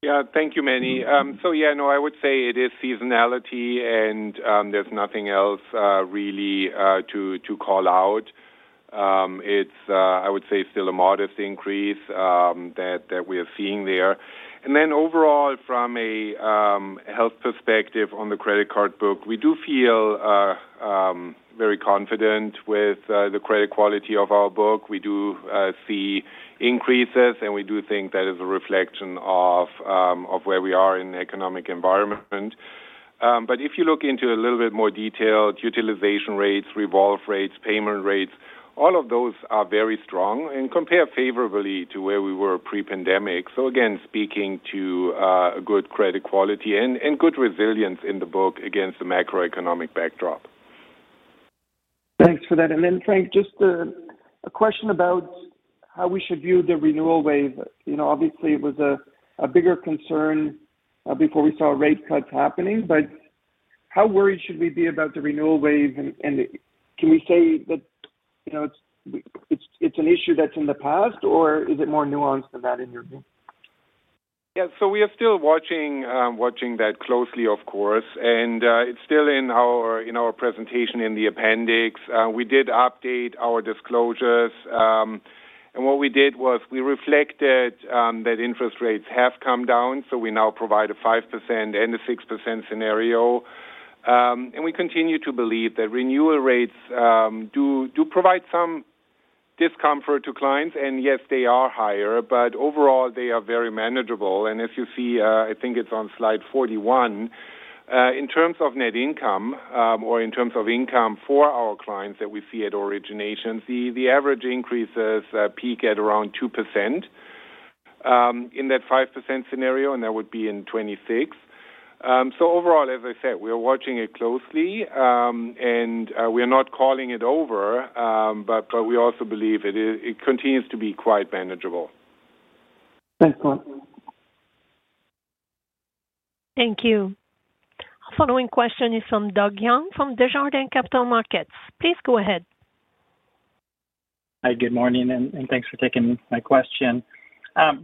Yeah. Thank you, Meny. So yeah, no, I would say it is seasonality, and there's nothing else, really, to call out. It's, I would say, still a modest increase, that we are seeing there. And then overall, from a health perspective on the credit card book, we do feel very confident with the credit quality of our book. We do see increases, and we do think that is a reflection of where we are in the economic environment. But if you look into a little bit more detail, utilization rates, revolve rates, payment rates, all of those are very strong and compare favorably to where we were pre-pandemic. So again, speaking to good credit quality and good resilience in the book against the macroeconomic backdrop. Thanks for that. And then, Frank, just a question about how we should view the renewal wave. You know, obviously, it was a bigger concern before we saw rate cuts happening, but how worried should we be about the renewal wave? And can we say that, you know, it's an issue that's in the past, or is it more nuanced than that in your view? Yeah, so we are still watching that closely, of course, and it's still in our presentation in the appendix. We did update our disclosures, and what we did was we reflected that interest rates have come down, so we now provide a 5% and a 6% scenario. We continue to believe that renewal rates do provide some discomfort to clients, and yes, they are higher, but overall, they are very manageable. As you see, I think it's on slide 41, in terms of net income, or in terms of income for our clients that we see at origination, the average increases peak at around 2%, in that 5% scenario, and that would be in 2026. So overall, as I said, we are watching it closely, and we are not calling it over. But we also believe it is. It continues to be quite manageable. Thanks a lot. Thank you. Our following question is from Doug Young, from Desjardins Capital Markets. Please go ahead. Hi, good morning, and thanks for taking my question.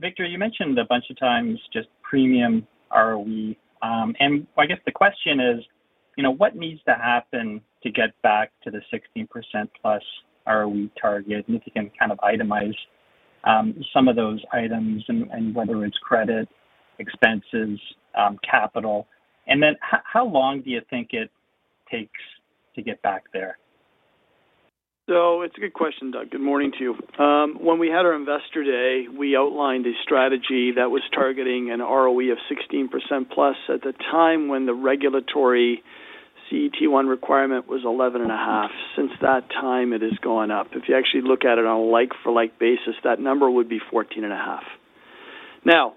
Victor, you mentioned a bunch of times just premium ROE. And I guess the question is, you know, what needs to happen to get back to the 16%+ ROE target? And if you can kind of itemize some of those items and whether it's credit, expenses, capital. And then how long do you think it takes to get back there? It's a good question, Doug. Good morning to you. When we had our Investor Day, we outlined a strategy that was targeting an ROE of 16%+ at the time when the regulatory CET1 requirement was 11.5%. Since that time, it has gone up. If you actually look at it on a like-for-like basis, that number would be 14.5%. Now,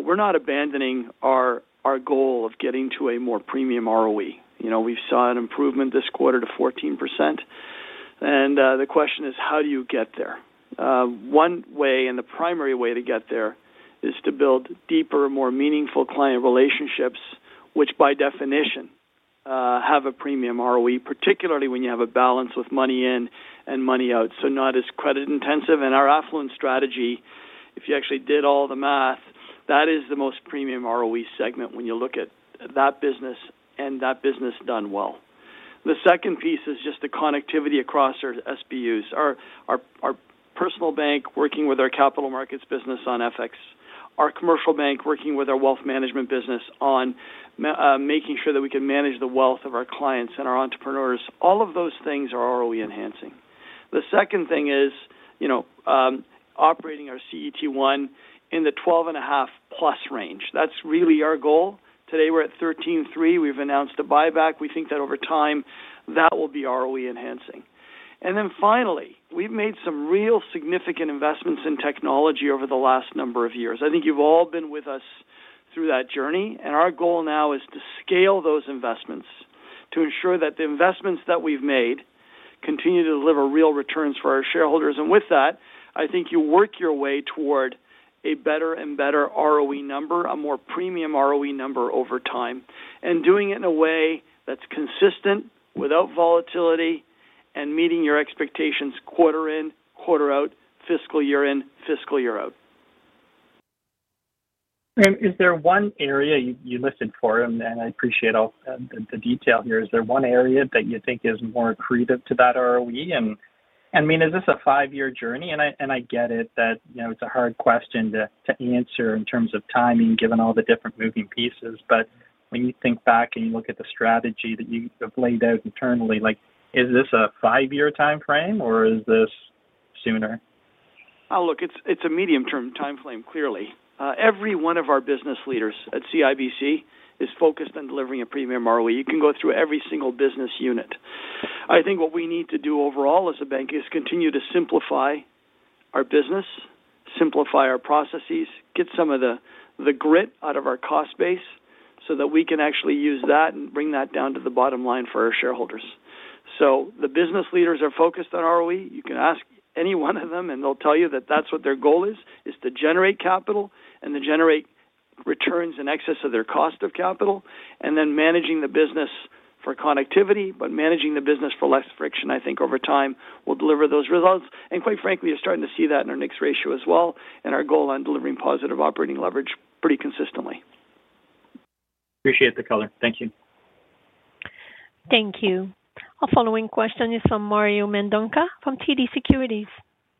we're not abandoning our goal of getting to a more premium ROE. You know, we've saw an improvement this quarter to 14%, and the question is: How do you get there? One way, and the primary way to get there, is to build deeper, more meaningful client relationships, which, by definition, have a premium ROE, particularly when you have a balance with money in and money out, so not as credit intensive. And our affluent strategy, if you actually did all the math, that is the most premium ROE segment when you look at that business and that business done well. The second piece is just the connectivity across our SBUs. Our personal bank, working with our Capital Markets business on FX, our commercial bank, working with our wealth management business on making sure that we can manage the wealth of our clients and our entrepreneurs. All of those things are ROE enhancing. The second thing is, you know, operating our CET1 in the 12.5%+range. That's really our goal. Today, we're at 13.3%. We've announced a buyback. We think that over time, that will be ROE enhancing. And then finally, we've made some real significant investments in technology over the last number of years. I think you've all been with us through that journey, and our goal now is to scale those investments, to ensure that the investments that we've made continue to deliver real returns for our shareholders, and with that, I think you work your way toward a better and better ROE number, a more premium ROE number over time, and doing it in a way that's consistent, without volatility, and meeting your expectations quarter in, quarter out, fiscal year in, fiscal year out. And is there one area you listed for, and I appreciate all the detail here. Is there one area that you think is more accretive to that ROE? And, I mean, is this a five-year journey? And I get it that, you know, it's a hard question to answer in terms of timing, given all the different moving pieces, but when you think back and you look at the strategy that you have laid out internally, like, is this a five-year timeframe, or is this sooner? Oh, look, it's a medium-term timeframe, clearly. Every one of our business leaders at CIBC is focused on delivering a premium ROE. You can go through every single business unit. I think what we need to do overall as a bank is continue to simplify our business, simplify our processes, get some of the grit out of our cost base so that we can actually use that and bring that down to the bottom line for our shareholders. So the business leaders are focused on ROE. You can ask any one of them, and they'll tell you that that's what their goal is, is to generate capital and to generate returns in excess of their cost of capital, and then managing the business for connectivity, but managing the business for less friction. I think over time, we'll deliver those results, and quite frankly, you're starting to see that in our NIE ratio as well, and our goal on delivering positive operating leverage pretty consistently. Appreciate the color. Thank you. Thank you. Our following question is from Mario Mendonca from TD Securities.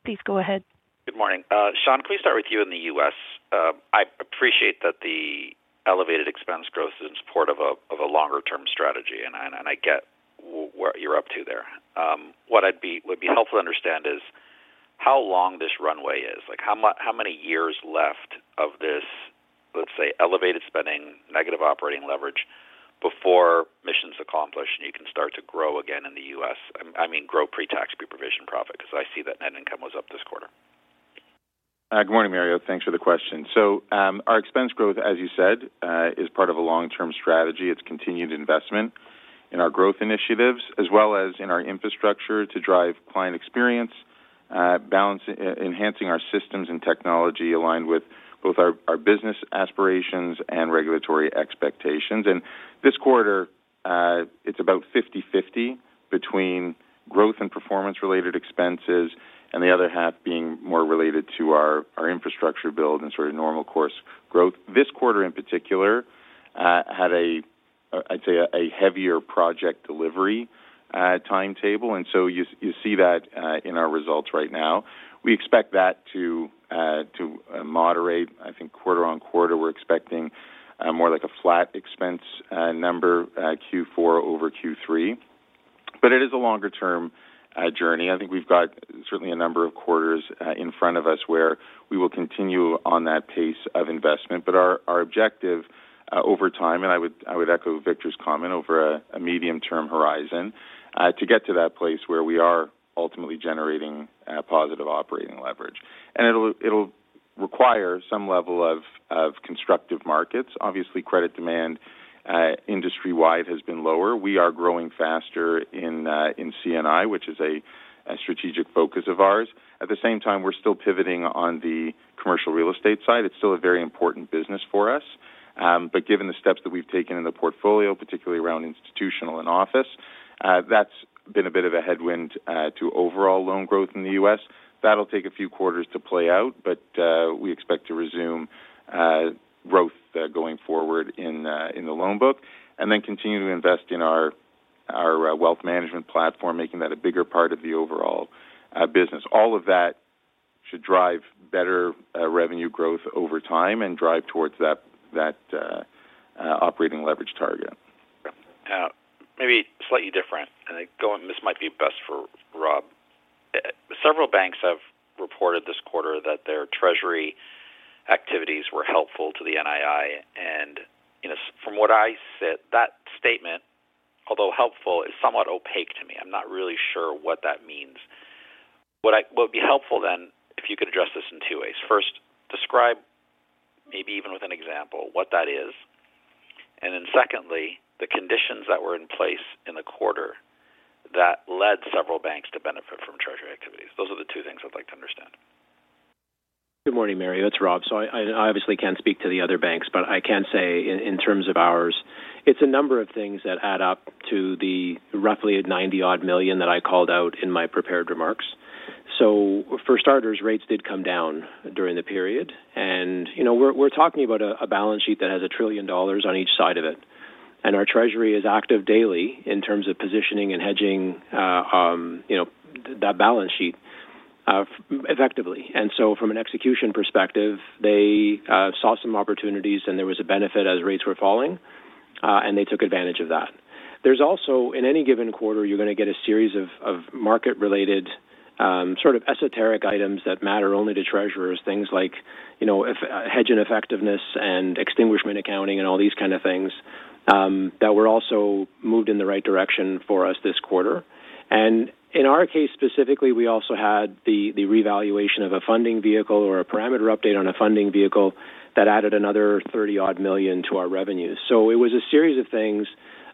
Please go ahead. Good morning. Shawn, please start with you in the U.S. I appreciate that the elevated expense growth is in support of a longer-term strategy, and I get what you're up to there. What would be helpful to understand is how long this runway is? Like, how many years left of this, let's say, elevated spending, negative operating leverage, before mission's accomplished and you can start to grow again in the U.S.? I mean, grow pre-tax, pre-provision profit, because I see that net income was up this quarter. Good morning, Mario. Thanks for the question. So, our expense growth, as you said, is part of a long-term strategy. It's continued investment in our growth initiatives, as well as in our infrastructure to drive client experience, balance, enhancing our systems and technology aligned with both our business aspirations and regulatory expectations. And this quarter, it's about fifty/fifty between growth and performance-related expenses, and the other half being more related to our infrastructure build and sort of normal course growth. This quarter, in particular, had, I'd say, a heavier project delivery timetable, and so you see that in our results right now. We expect that to moderate. I think quarter on quarter, we're expecting more like a flat expense number, Q4 over Q3. But it is a longer term journey. I think we've got certainly a number of quarters in front of us where we will continue on that pace of investment. But our objective over time, and I would echo Victor's comment over a medium-term horizon, to get to that place where we are ultimately generating positive operating leverage. And it'll require some level of constructive markets. Obviously, credit demand industry-wide has been lower. We are growing faster in C&I, which is a strategic focus of ours. At the same time, we're still pivoting on the commercial real estate side. It's still a very important business for us. But given the steps that we've taken in the portfolio, particularly around institutional and office, that's been a bit of a headwind to overall loan growth in the U.S. That'll take a few quarters to play out, but we expect to resume growth going forward in the loan book, and then continue to invest in our wealth management platform, making that a bigger part of the overall business. All of that should drive better revenue growth over time and drive towards that operating leverage target. Maybe slightly different, and this might be best for Rob. Several banks have reported this quarter that their treasury activities were helpful to the NII, and, you know, from what I said, that statement, although helpful, is somewhat opaque to me. I'm not really sure what that means. What would be helpful then, if you could address this in two ways. First, describe, maybe even with an example, what that is, and then secondly, the conditions that were in place in the quarter that led several banks to benefit from Treasury activities. Those are the two things I'd like to understand. Good morning, Mario, it's Rob, so I obviously can't speak to the other banks, but I can say in terms of ours, it's a number of things that add up to the roughly 90-odd million that I called out in my prepared remarks, so for starters, rates did come down during the period, and you know, we're talking about a balance sheet that has 1 trillion dollars on each side of it, and our Treasury is active daily in terms of positioning and hedging, you know, that balance sheet effectively. And so from an execution perspective, they saw some opportunities, and there was a benefit as rates were falling, and they took advantage of that. There's also, in any given quarter, you're gonna get a series of market-related, sort of esoteric items that matter only to treasurers, things like, you know, if hedge ineffectiveness and extinguishment accounting and all these kind of things that were also moved in the right direction for us this quarter, and in our case, specifically, we also had the revaluation of a funding vehicle or a parameter update on a funding vehicle that added another 30-odd million to our revenues. So it was a series of things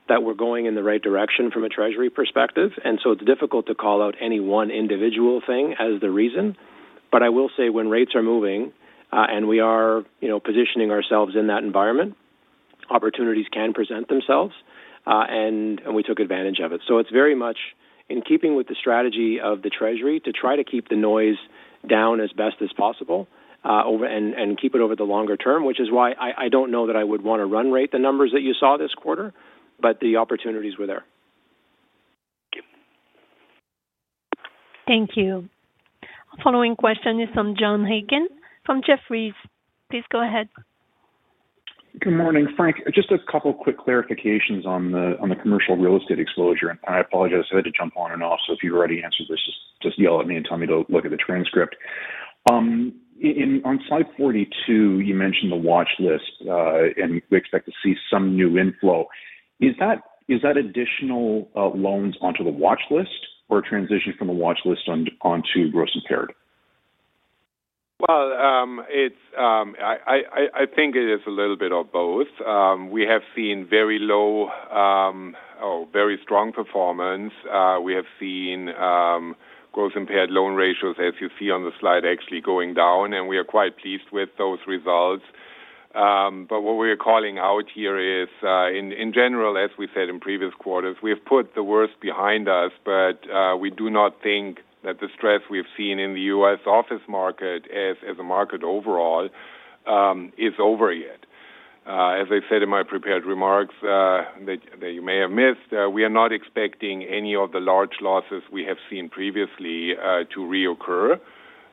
that were going in the right direction from a Treasury perspective, and so it's difficult to call out any one individual thing as the reason, but I will say when rates are moving, and we are, you know, positioning ourselves in that environment, opportunities can present themselves, and we took advantage of it. So it's very much in keeping with the strategy of the Treasury to try to keep the noise down as best as possible, over and keep it over the longer term, which is why I don't know that I would want to run rate the numbers that you saw this quarter, but the opportunities were there. Thank you. Following question is from John Aiken, from Jefferies. Please go ahead. Good morning, Frank. Just a couple quick clarifications on the commercial real estate exposure. I apologize, I had to jump on and off, so if you've already answered this, just yell at me and tell me to look at the transcript. On slide 42, you mentioned the watch list, and we expect to see some new inflow. Is that additional loans onto the watch list or a transition from a watch list onto gross impaired? It's a little bit of both. We have seen very low or very strong performance. We have seen gross impaired loan ratios, as you see on the slide, actually going down, and we are quite pleased with those results. But what we are calling out here is, in general, as we said in previous quarters, we have put the worst behind us, but we do not think that the stress we've seen in the U.S. office market as a market overall is over yet. As I said in my prepared remarks, that you may have missed, we are not expecting any of the large losses we have seen previously to reoccur.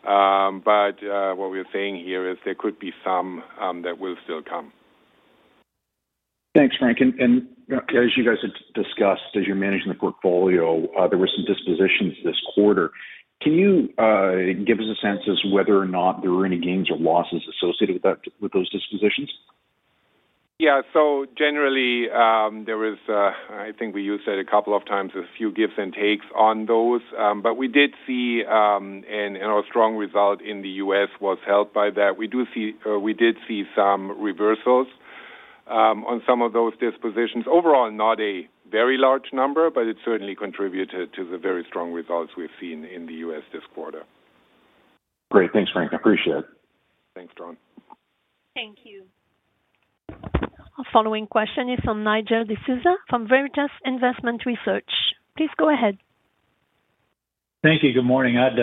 But what we're saying here is there could be some that will still come. Thanks, Frank. And as you guys have discussed, as you're managing the portfolio, there were some dispositions this quarter. Can you give us a sense as to whether or not there were any gains or losses associated with that, with those dispositions? Yeah, so generally, there was, I think we used it a couple of times, a few gives and takes on those. But we did see, and our strong result in the U.S. was helped by that. We did see some reversals on some of those dispositions. Overall, not a very large number, but it certainly contributed to the very strong results we've seen in the U.S. this quarter. Great. Thanks, Frank. I appreciate it. Thanks, John. Thank you. Our following question is from Nigel D'Souza from Veritas Investment Research. Please go ahead. Thank you. Good morning. I had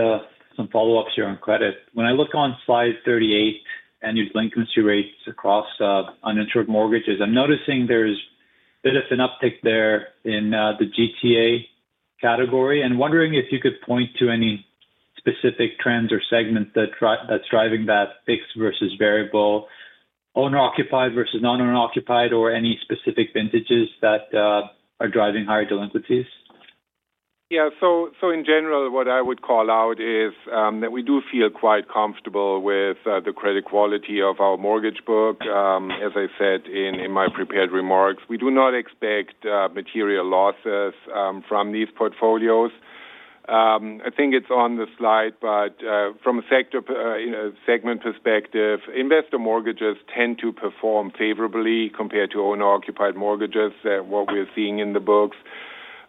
some follow-ups here on credit. When I look on slide 38, annual delinquency rates across uninsured mortgages, I'm noticing there's a bit of an uptick there in the GTA category, and wondering if you could point to any specific trends or segments that's driving that fixed versus variable, owner-occupied versus non-owner occupied, or any specific vintages that are driving higher delinquencies? Yeah, so in general, what I would call out is that we do feel quite comfortable with the credit quality of our mortgage book. As I said in my prepared remarks, we do not expect material losses from these portfolios. I think it's on the slide, but from a sector, you know, segment perspective, investor mortgages tend to perform favorably compared to owner-occupied mortgages, what we are seeing in the books.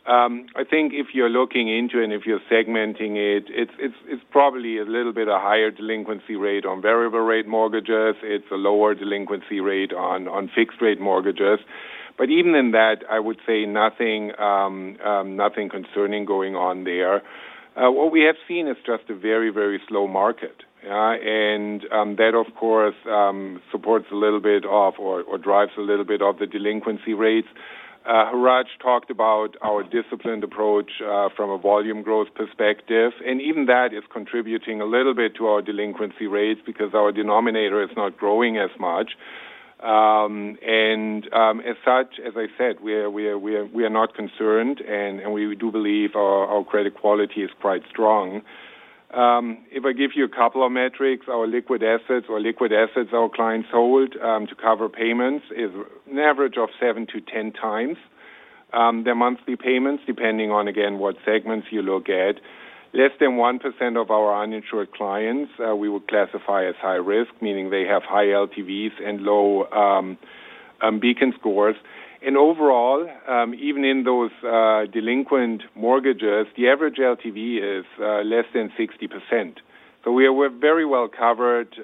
I think if you're looking into it and if you're segmenting it, it's probably a little bit of higher delinquency rate on variable rate mortgages. It's a lower delinquency rate on fixed rate mortgages. But even in that, I would say nothing, nothing concerning going on there. What we have seen is just a very, very slow market, and that of course supports a little bit of or drives a little bit of the delinquency rates. Hratch talked about our disciplined approach from a volume growth perspective, and even that is contributing a little bit to our delinquency rates because our denominator is not growing as much. As such, as I said, we are not concerned, and we do believe our credit quality is quite strong. If I give you a couple of metrics, our liquid assets our clients hold to cover payments is an average of seven to 10 times their monthly payments, depending on, again, what segments you look at. Less than 1% of our uninsured clients we would classify as high risk, meaning they have high LTVs and low Beacon scores. Overall, even in those delinquent mortgages, the average LTV is less than 60%. We are very well covered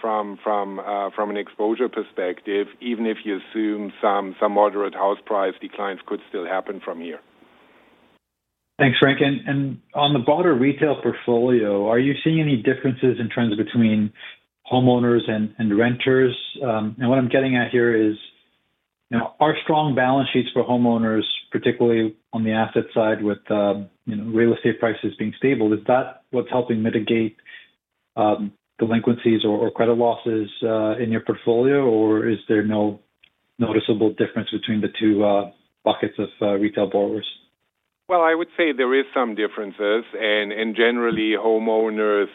from an exposure perspective, even if you assume some moderate house price declines could still happen from here. Thanks, Frank. And on the broader retail portfolio, are you seeing any differences in trends between homeowners and renters? And what I'm getting at here is, you know, are strong balance sheets for homeowners, particularly on the asset side, with, you know, real estate prices being stable, is that what's helping mitigate delinquencies or credit losses in your portfolio? Or is there no noticeable difference between the two buckets of retail borrowers? Well, I would say there is some differences, and generally, homeowners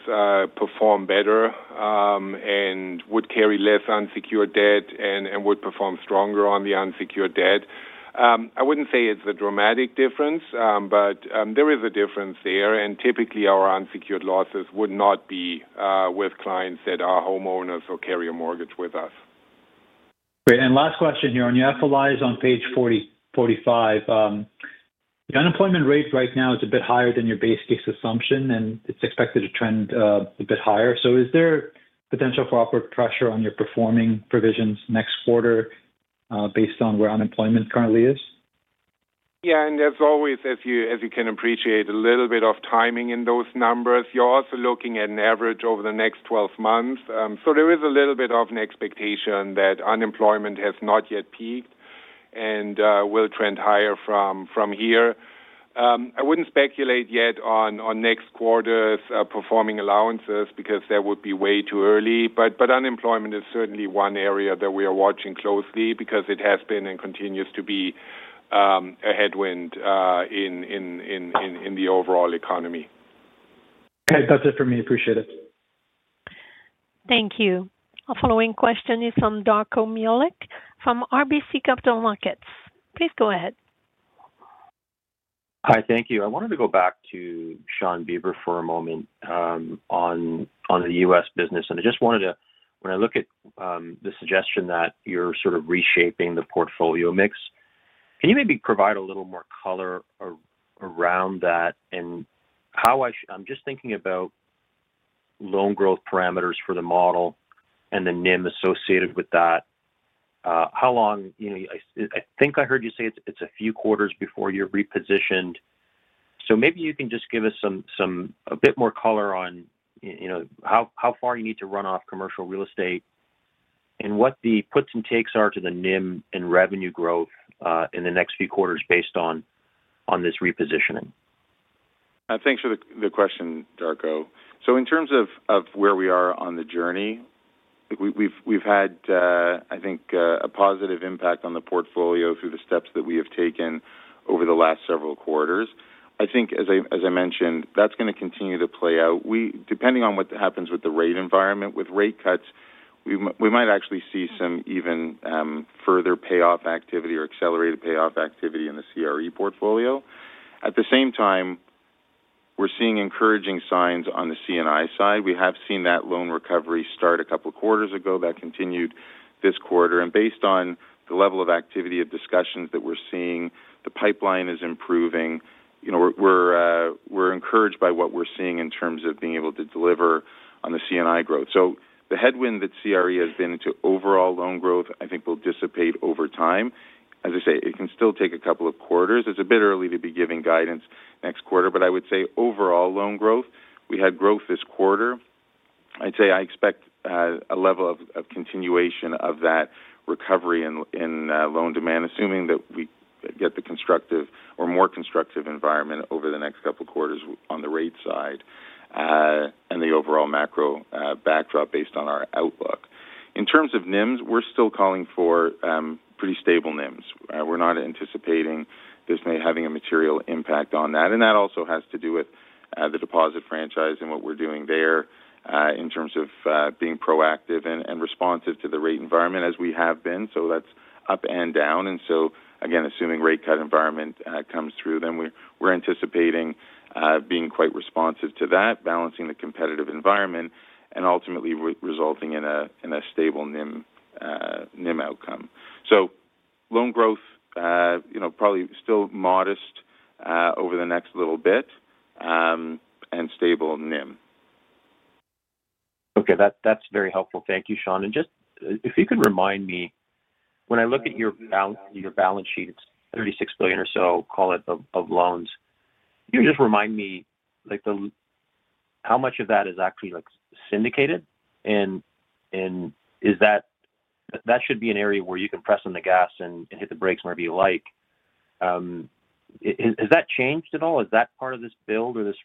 perform better, and would carry less unsecured debt and would perform stronger on the unsecured debt. I wouldn't say it's a dramatic difference, but there is a difference there, and typically our unsecured losses would not be with clients that are homeowners or carry a mortgage with us. Great. And last question here, on your FLIs on page 45, the unemployment rate right now is a bit higher than your base case assumption, and it's expected to trend a bit higher. So is there potential for upward pressure on your performing provisions next quarter, based on where unemployment currently is? Yeah, and as always, as you can appreciate, a little bit of timing in those numbers. You're also looking at an average over the next 12 months. So there is a little bit of an expectation that unemployment has not yet peaked and will trend higher from here. I wouldn't speculate yet on next quarter's performing allowances because that would be way too early, but unemployment is certainly one area that we are watching closely because it has been and continues to be a headwind in the overall economy. Okay. That's it for me. Appreciate it. Thank you. Our following question is from Darko Mihelic from RBC Capital Markets. Please go ahead. Hi, thank you. I wanted to go back to Shawn Beber for a moment, on the U.S. business. I just wanted to—when I look at the suggestion that you're sort of reshaping the portfolio mix, can you maybe provide a little more color around that. I'm just thinking about loan growth parameters for the model and the NIM associated with that. How long, you know, I think I heard you say it's a few quarters before you're repositioned. So maybe you can just give us a bit more color on, you know, how far you need to run off commercial real estate and what the puts and takes are to the NIM and revenue growth in the next few quarters based on this repositioning. Thanks for the question, Darko. So in terms of where we are on the journey, we've had, I think, a positive impact on the portfolio through the steps that we have taken over the last several quarters. I think as I mentioned, that's going to continue to play out. Depending on what happens with the rate environment, with rate cuts, we might actually see some even further payoff activity or accelerated payoff activity in the CRE portfolio. At the same time, we're seeing encouraging signs on the C&I side. We have seen that loan recovery start a couple of quarters ago. That continued this quarter, and based on the level of activity of discussions that we're seeing, the pipeline is improving. You know, we're encouraged by what we're seeing in terms of being able to deliver on the C&I growth. So the headwind that CRE has been to overall loan growth, I think will dissipate over time. As I say, it can still take a couple of quarters. It's a bit early to be giving guidance next quarter, but I would say overall loan growth, we had growth this quarter. I'd say I expect a level of continuation of that recovery in loan demand, assuming that we get the constructive or more constructive environment over the next couple of quarters on the rate side, and the overall macro backdrop based on our outlook. In terms of NIMs, we're still calling for pretty stable NIMs. We're not anticipating this may having a material impact on that. And that also has to do with the deposit franchise and what we're doing there in terms of being proactive and responsive to the rate environment as we have been. So that's up and down. And so again, assuming rate cut environment comes through, then we're anticipating being quite responsive to that, balancing the competitive environment and ultimately resulting in a stable NIM outcome. So loan growth you know probably still modest over the next little bit and stable NIM. Okay, that's very helpful. Thank you, Shawn. And just if you could remind me, when I look at your balance sheet, it's 36 billion or so, call it, of loans. Can you just remind me, like, how much of that is actually, like, syndicated? And is that an area where you can press on the gas and hit the brakes wherever you like? Has that changed at all? Is that part of this build or this,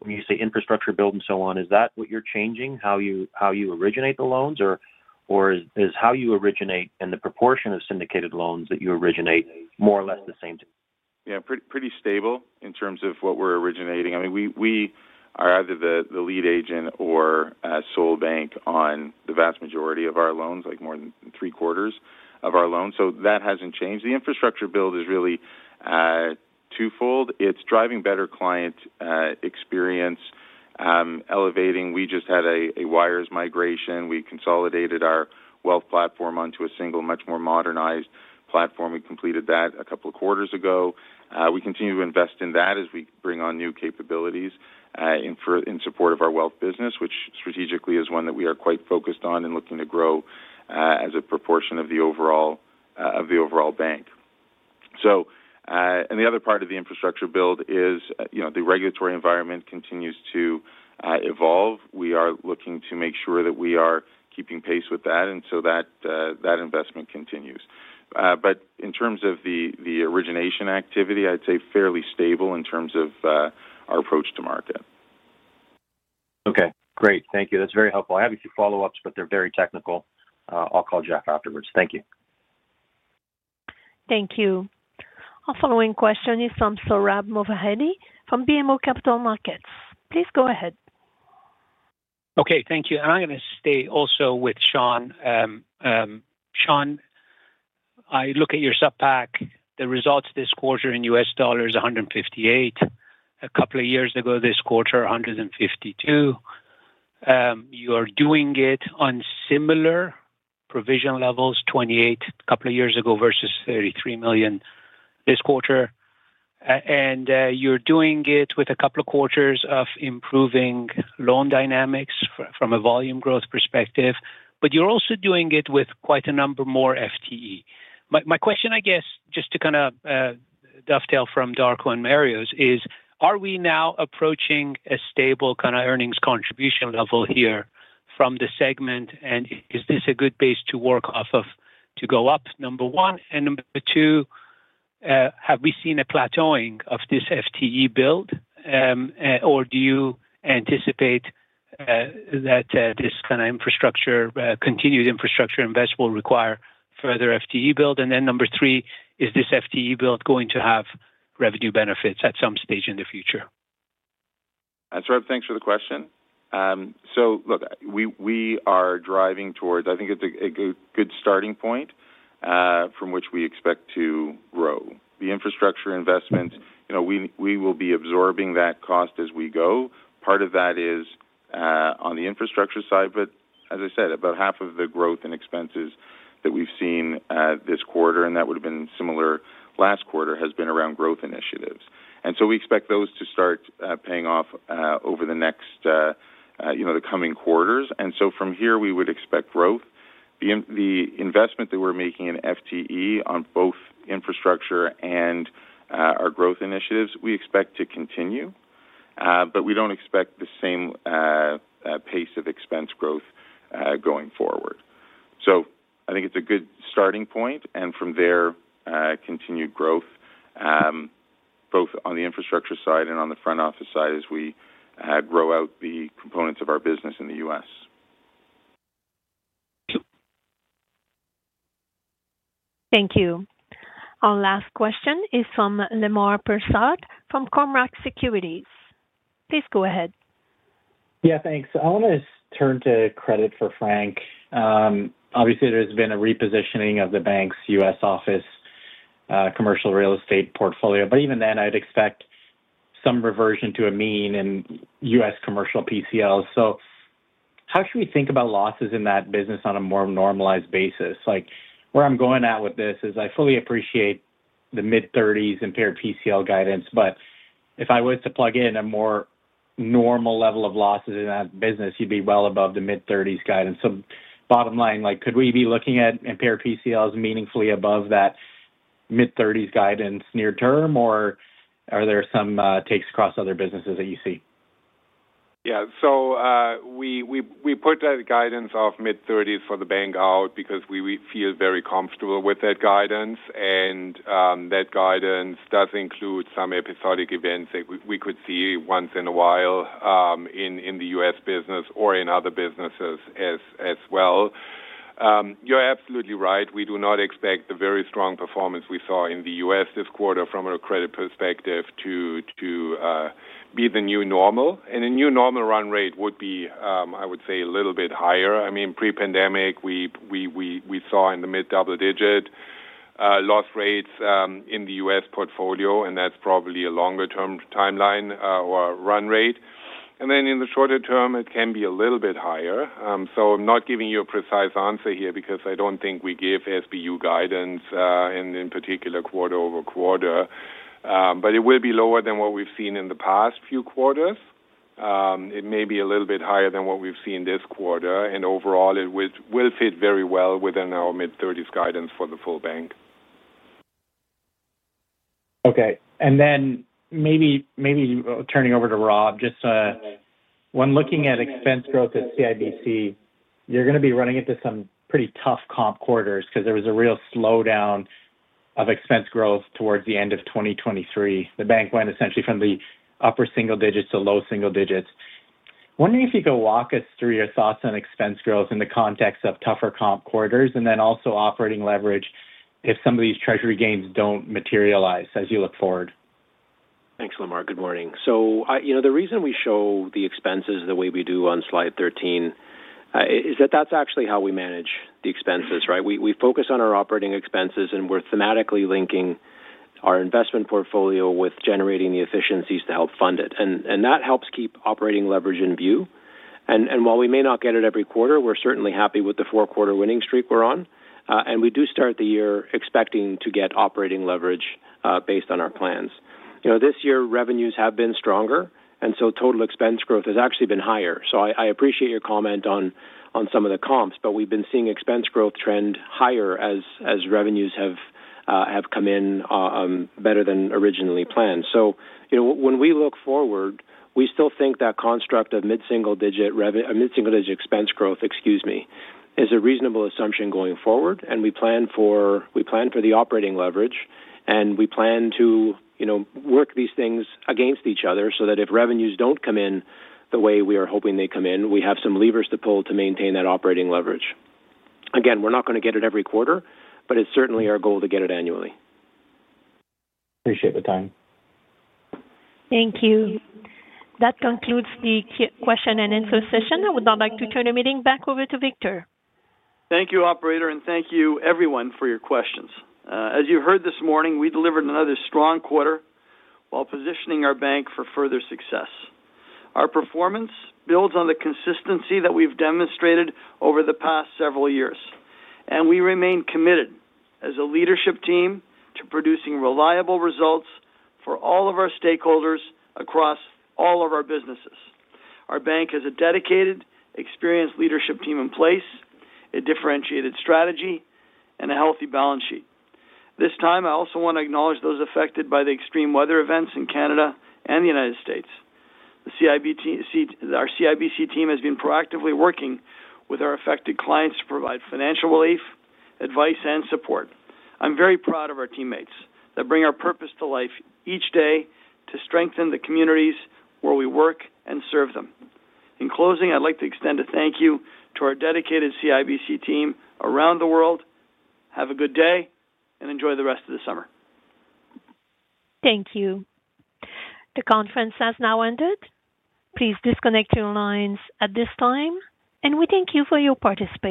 when you say infrastructure build and so on, is that what you're changing, how you originate the loans? Or is how you originate and the proportion of syndicated loans that you originate more or less the same? Yeah, pretty stable in terms of what we're originating. I mean, we are either the lead agent or a sole bank on the vast majority of our loans, like more than three-quarters of our loans, so that hasn't changed. The infrastructure build is really twofold. It's driving better client experience, elevating. We just had a wires migration. We consolidated our wealth platform onto a single, much more modernized platform. We completed that a couple of quarters ago. We continue to invest in that as we bring on new capabilities in support of our Wealth business, which strategically is one that we are quite focused on and looking to grow as a proportion of the overall bank. So, and the other part of the infrastructure build is, you know, the regulatory environment continues to evolve. We are looking to make sure that we are keeping pace with that, and so that investment continues. But in terms of the origination activity, I'd say fairly stable in terms of our approach to market. Okay, great. Thank you. That's very helpful. I have a few follow-ups, but they're very technical. I'll call Jack afterwards. Thank you. Thank you. Our following question is from Sohrab Movahedi from BMO Capital Markets. Please go ahead. Okay, thank you. I'm going to stay also with Shawn. Shawn, I look at your Supp Pack, the results this quarter in U.S. dollars, $158. A couple of years ago this quarter, $152. You are doing it on similar provision levels, $28 million a couple of years ago versus $33 million this quarter. And you're doing it with a couple of quarters of improving loan dynamics from a volume growth perspective, but you're also doing it with quite a number more FTE. My question, I guess, just to kind of dovetail from Darko and Mario's is: Are we now approaching a stable kind of earnings contribution level here from the segment? And is this a good base to work off of to go up, number one? And number two, have we seen a plateauing of this FTE build? Or do you anticipate that this kind of continued infrastructure investment will require further FTE build? And then number three, is this FTE build going to have revenue benefits at some stage in the future? Sohrab, thanks for the question. So look, we are driving towards. I think it's a good starting point from which we expect to grow. The infrastructure investment, you know, we will be absorbing that cost as we go. Part of that is on the infrastructure side, but as I said, about half of the growth and expenses that we've seen this quarter, and that would have been similar last quarter, has been around growth initiatives. So we expect those to start paying off over the next, you know, the coming quarters. So from here, we would expect growth. The investment that we're making in FTE on both infrastructure and our growth initiatives, we expect to continue, but we don't expect the same pace of expense growth going forward. So I think it's a good starting point, and from there, continued growth, both on the infrastructure side and on the front office side as we grow out the components of our business in the U.S. Thank you. Our last question is from Lemar Persaud from Cormark Securities. Please go ahead. Yeah, thanks. I want to turn to credit for Frank. Obviously, there's been a repositioning of the bank's U.S. office, commercial real estate portfolio, but even then, I'd expect some reversion to a mean in U.S. commercial PCL. So how should we think about losses in that business on a more normalized basis? Like, where I'm going at with this is I fully appreciate the mid-30s impaired PCL guidance, but if I were to plug in a more normal level of losses in that business, you'd be well above the mid-thirties guidance. So bottom line, like, could we be looking at impaired PCLs meaningfully above that mid-thirties guidance near term, or are there some takes across other businesses that you see? Yeah, so we put that guidance of mid-30s for the bank out because we feel very comfortable with that guidance, and that guidance does include some episodic events that we could see once in a while in the U.S. business or in other businesses as well. You're absolutely right. We do not expect the very strong performance we saw in the U.S. this quarter from a credit perspective to be the new normal. A new normal run rate would be, I would say, a little bit higher. I mean, pre-pandemic, we saw in the mid-double digit loss rates in the U.S. portfolio, and that's probably a longer-term timeline or a run rate. In the shorter term, it can be a little bit higher. So I'm not giving you a precise answer here because I don't think we give SBU guidance in particular quarter over quarter. But it will be lower than what we've seen in the past few quarters. It may be a little bit higher than what we've seen this quarter, and overall, it will fit very well within our mid-thirties guidance for the full bank. Okay. And then maybe, maybe turning over to Rob, just, when looking at expense growth at CIBC, you're gonna be running into some pretty tough comp quarters because there was a real slowdown of expense growth towards the end of 2023. The bank went essentially from the upper single digits to low single digits. Wondering if you could walk us through your thoughts on expense growth in the context of tougher comp quarters, and then also operating leverage if some of these treasury gains don't materialize as you look forward. Thanks, Lemar. Good morning. You know, the reason we show the expenses the way we do on slide 13 is that that's actually how we manage the expenses, right? We focus on our operating expenses, and we're thematically linking our investment portfolio with generating the efficiencies to help fund it. And that helps keep operating leverage in view, and while we may not get it every quarter, we're certainly happy with the four-quarter winning streak we're on. And we do start the year expecting to get operating leverage based on our plans. You know, this year, revenues have been stronger, and so total expense growth has actually been higher. I appreciate your comment on some of the comps, but we've been seeing expense growth trend higher as revenues have come in better than originally planned. So, you know, when we look forward, we still think that construct of mid-single digit expense growth, excuse me, is a reasonable assumption going forward, and we plan for the operating leverage, and we plan to, you know, work these things against each other so that if revenues don't come in the way we are hoping they come in, we have some levers to pull to maintain that operating leverage. Again, we're not gonna get it every quarter, but it's certainly our goal to get it annually. Appreciate the time. Thank you. That concludes the question and answer session. I would now like to turn the meeting back over to Victor. Thank you, operator, and thank you everyone for your questions. As you heard this morning, we delivered another strong quarter while positioning our bank for further success. Our performance builds on the consistency that we've demonstrated over the past several years, and we remain committed as a leadership team to producing reliable results for all of our stakeholders across all of our businesses. Our bank has a dedicated, experienced leadership team in place, a differentiated strategy, and a healthy balance sheet. This time, I also want to acknowledge those affected by the extreme weather events in Canada and the United States. Our CIBC team has been proactively working with our affected clients to provide financial relief, advice, and support. I'm very proud of our teammates that bring our purpose to life each day to strengthen the communities where we work and serve them. In closing, I'd like to extend a thank you to our dedicated CIBC team around the world. Have a good day, and enjoy the rest of the summer. Thank you. The conference has now ended. Please disconnect your lines at this time, and we thank you for your participation.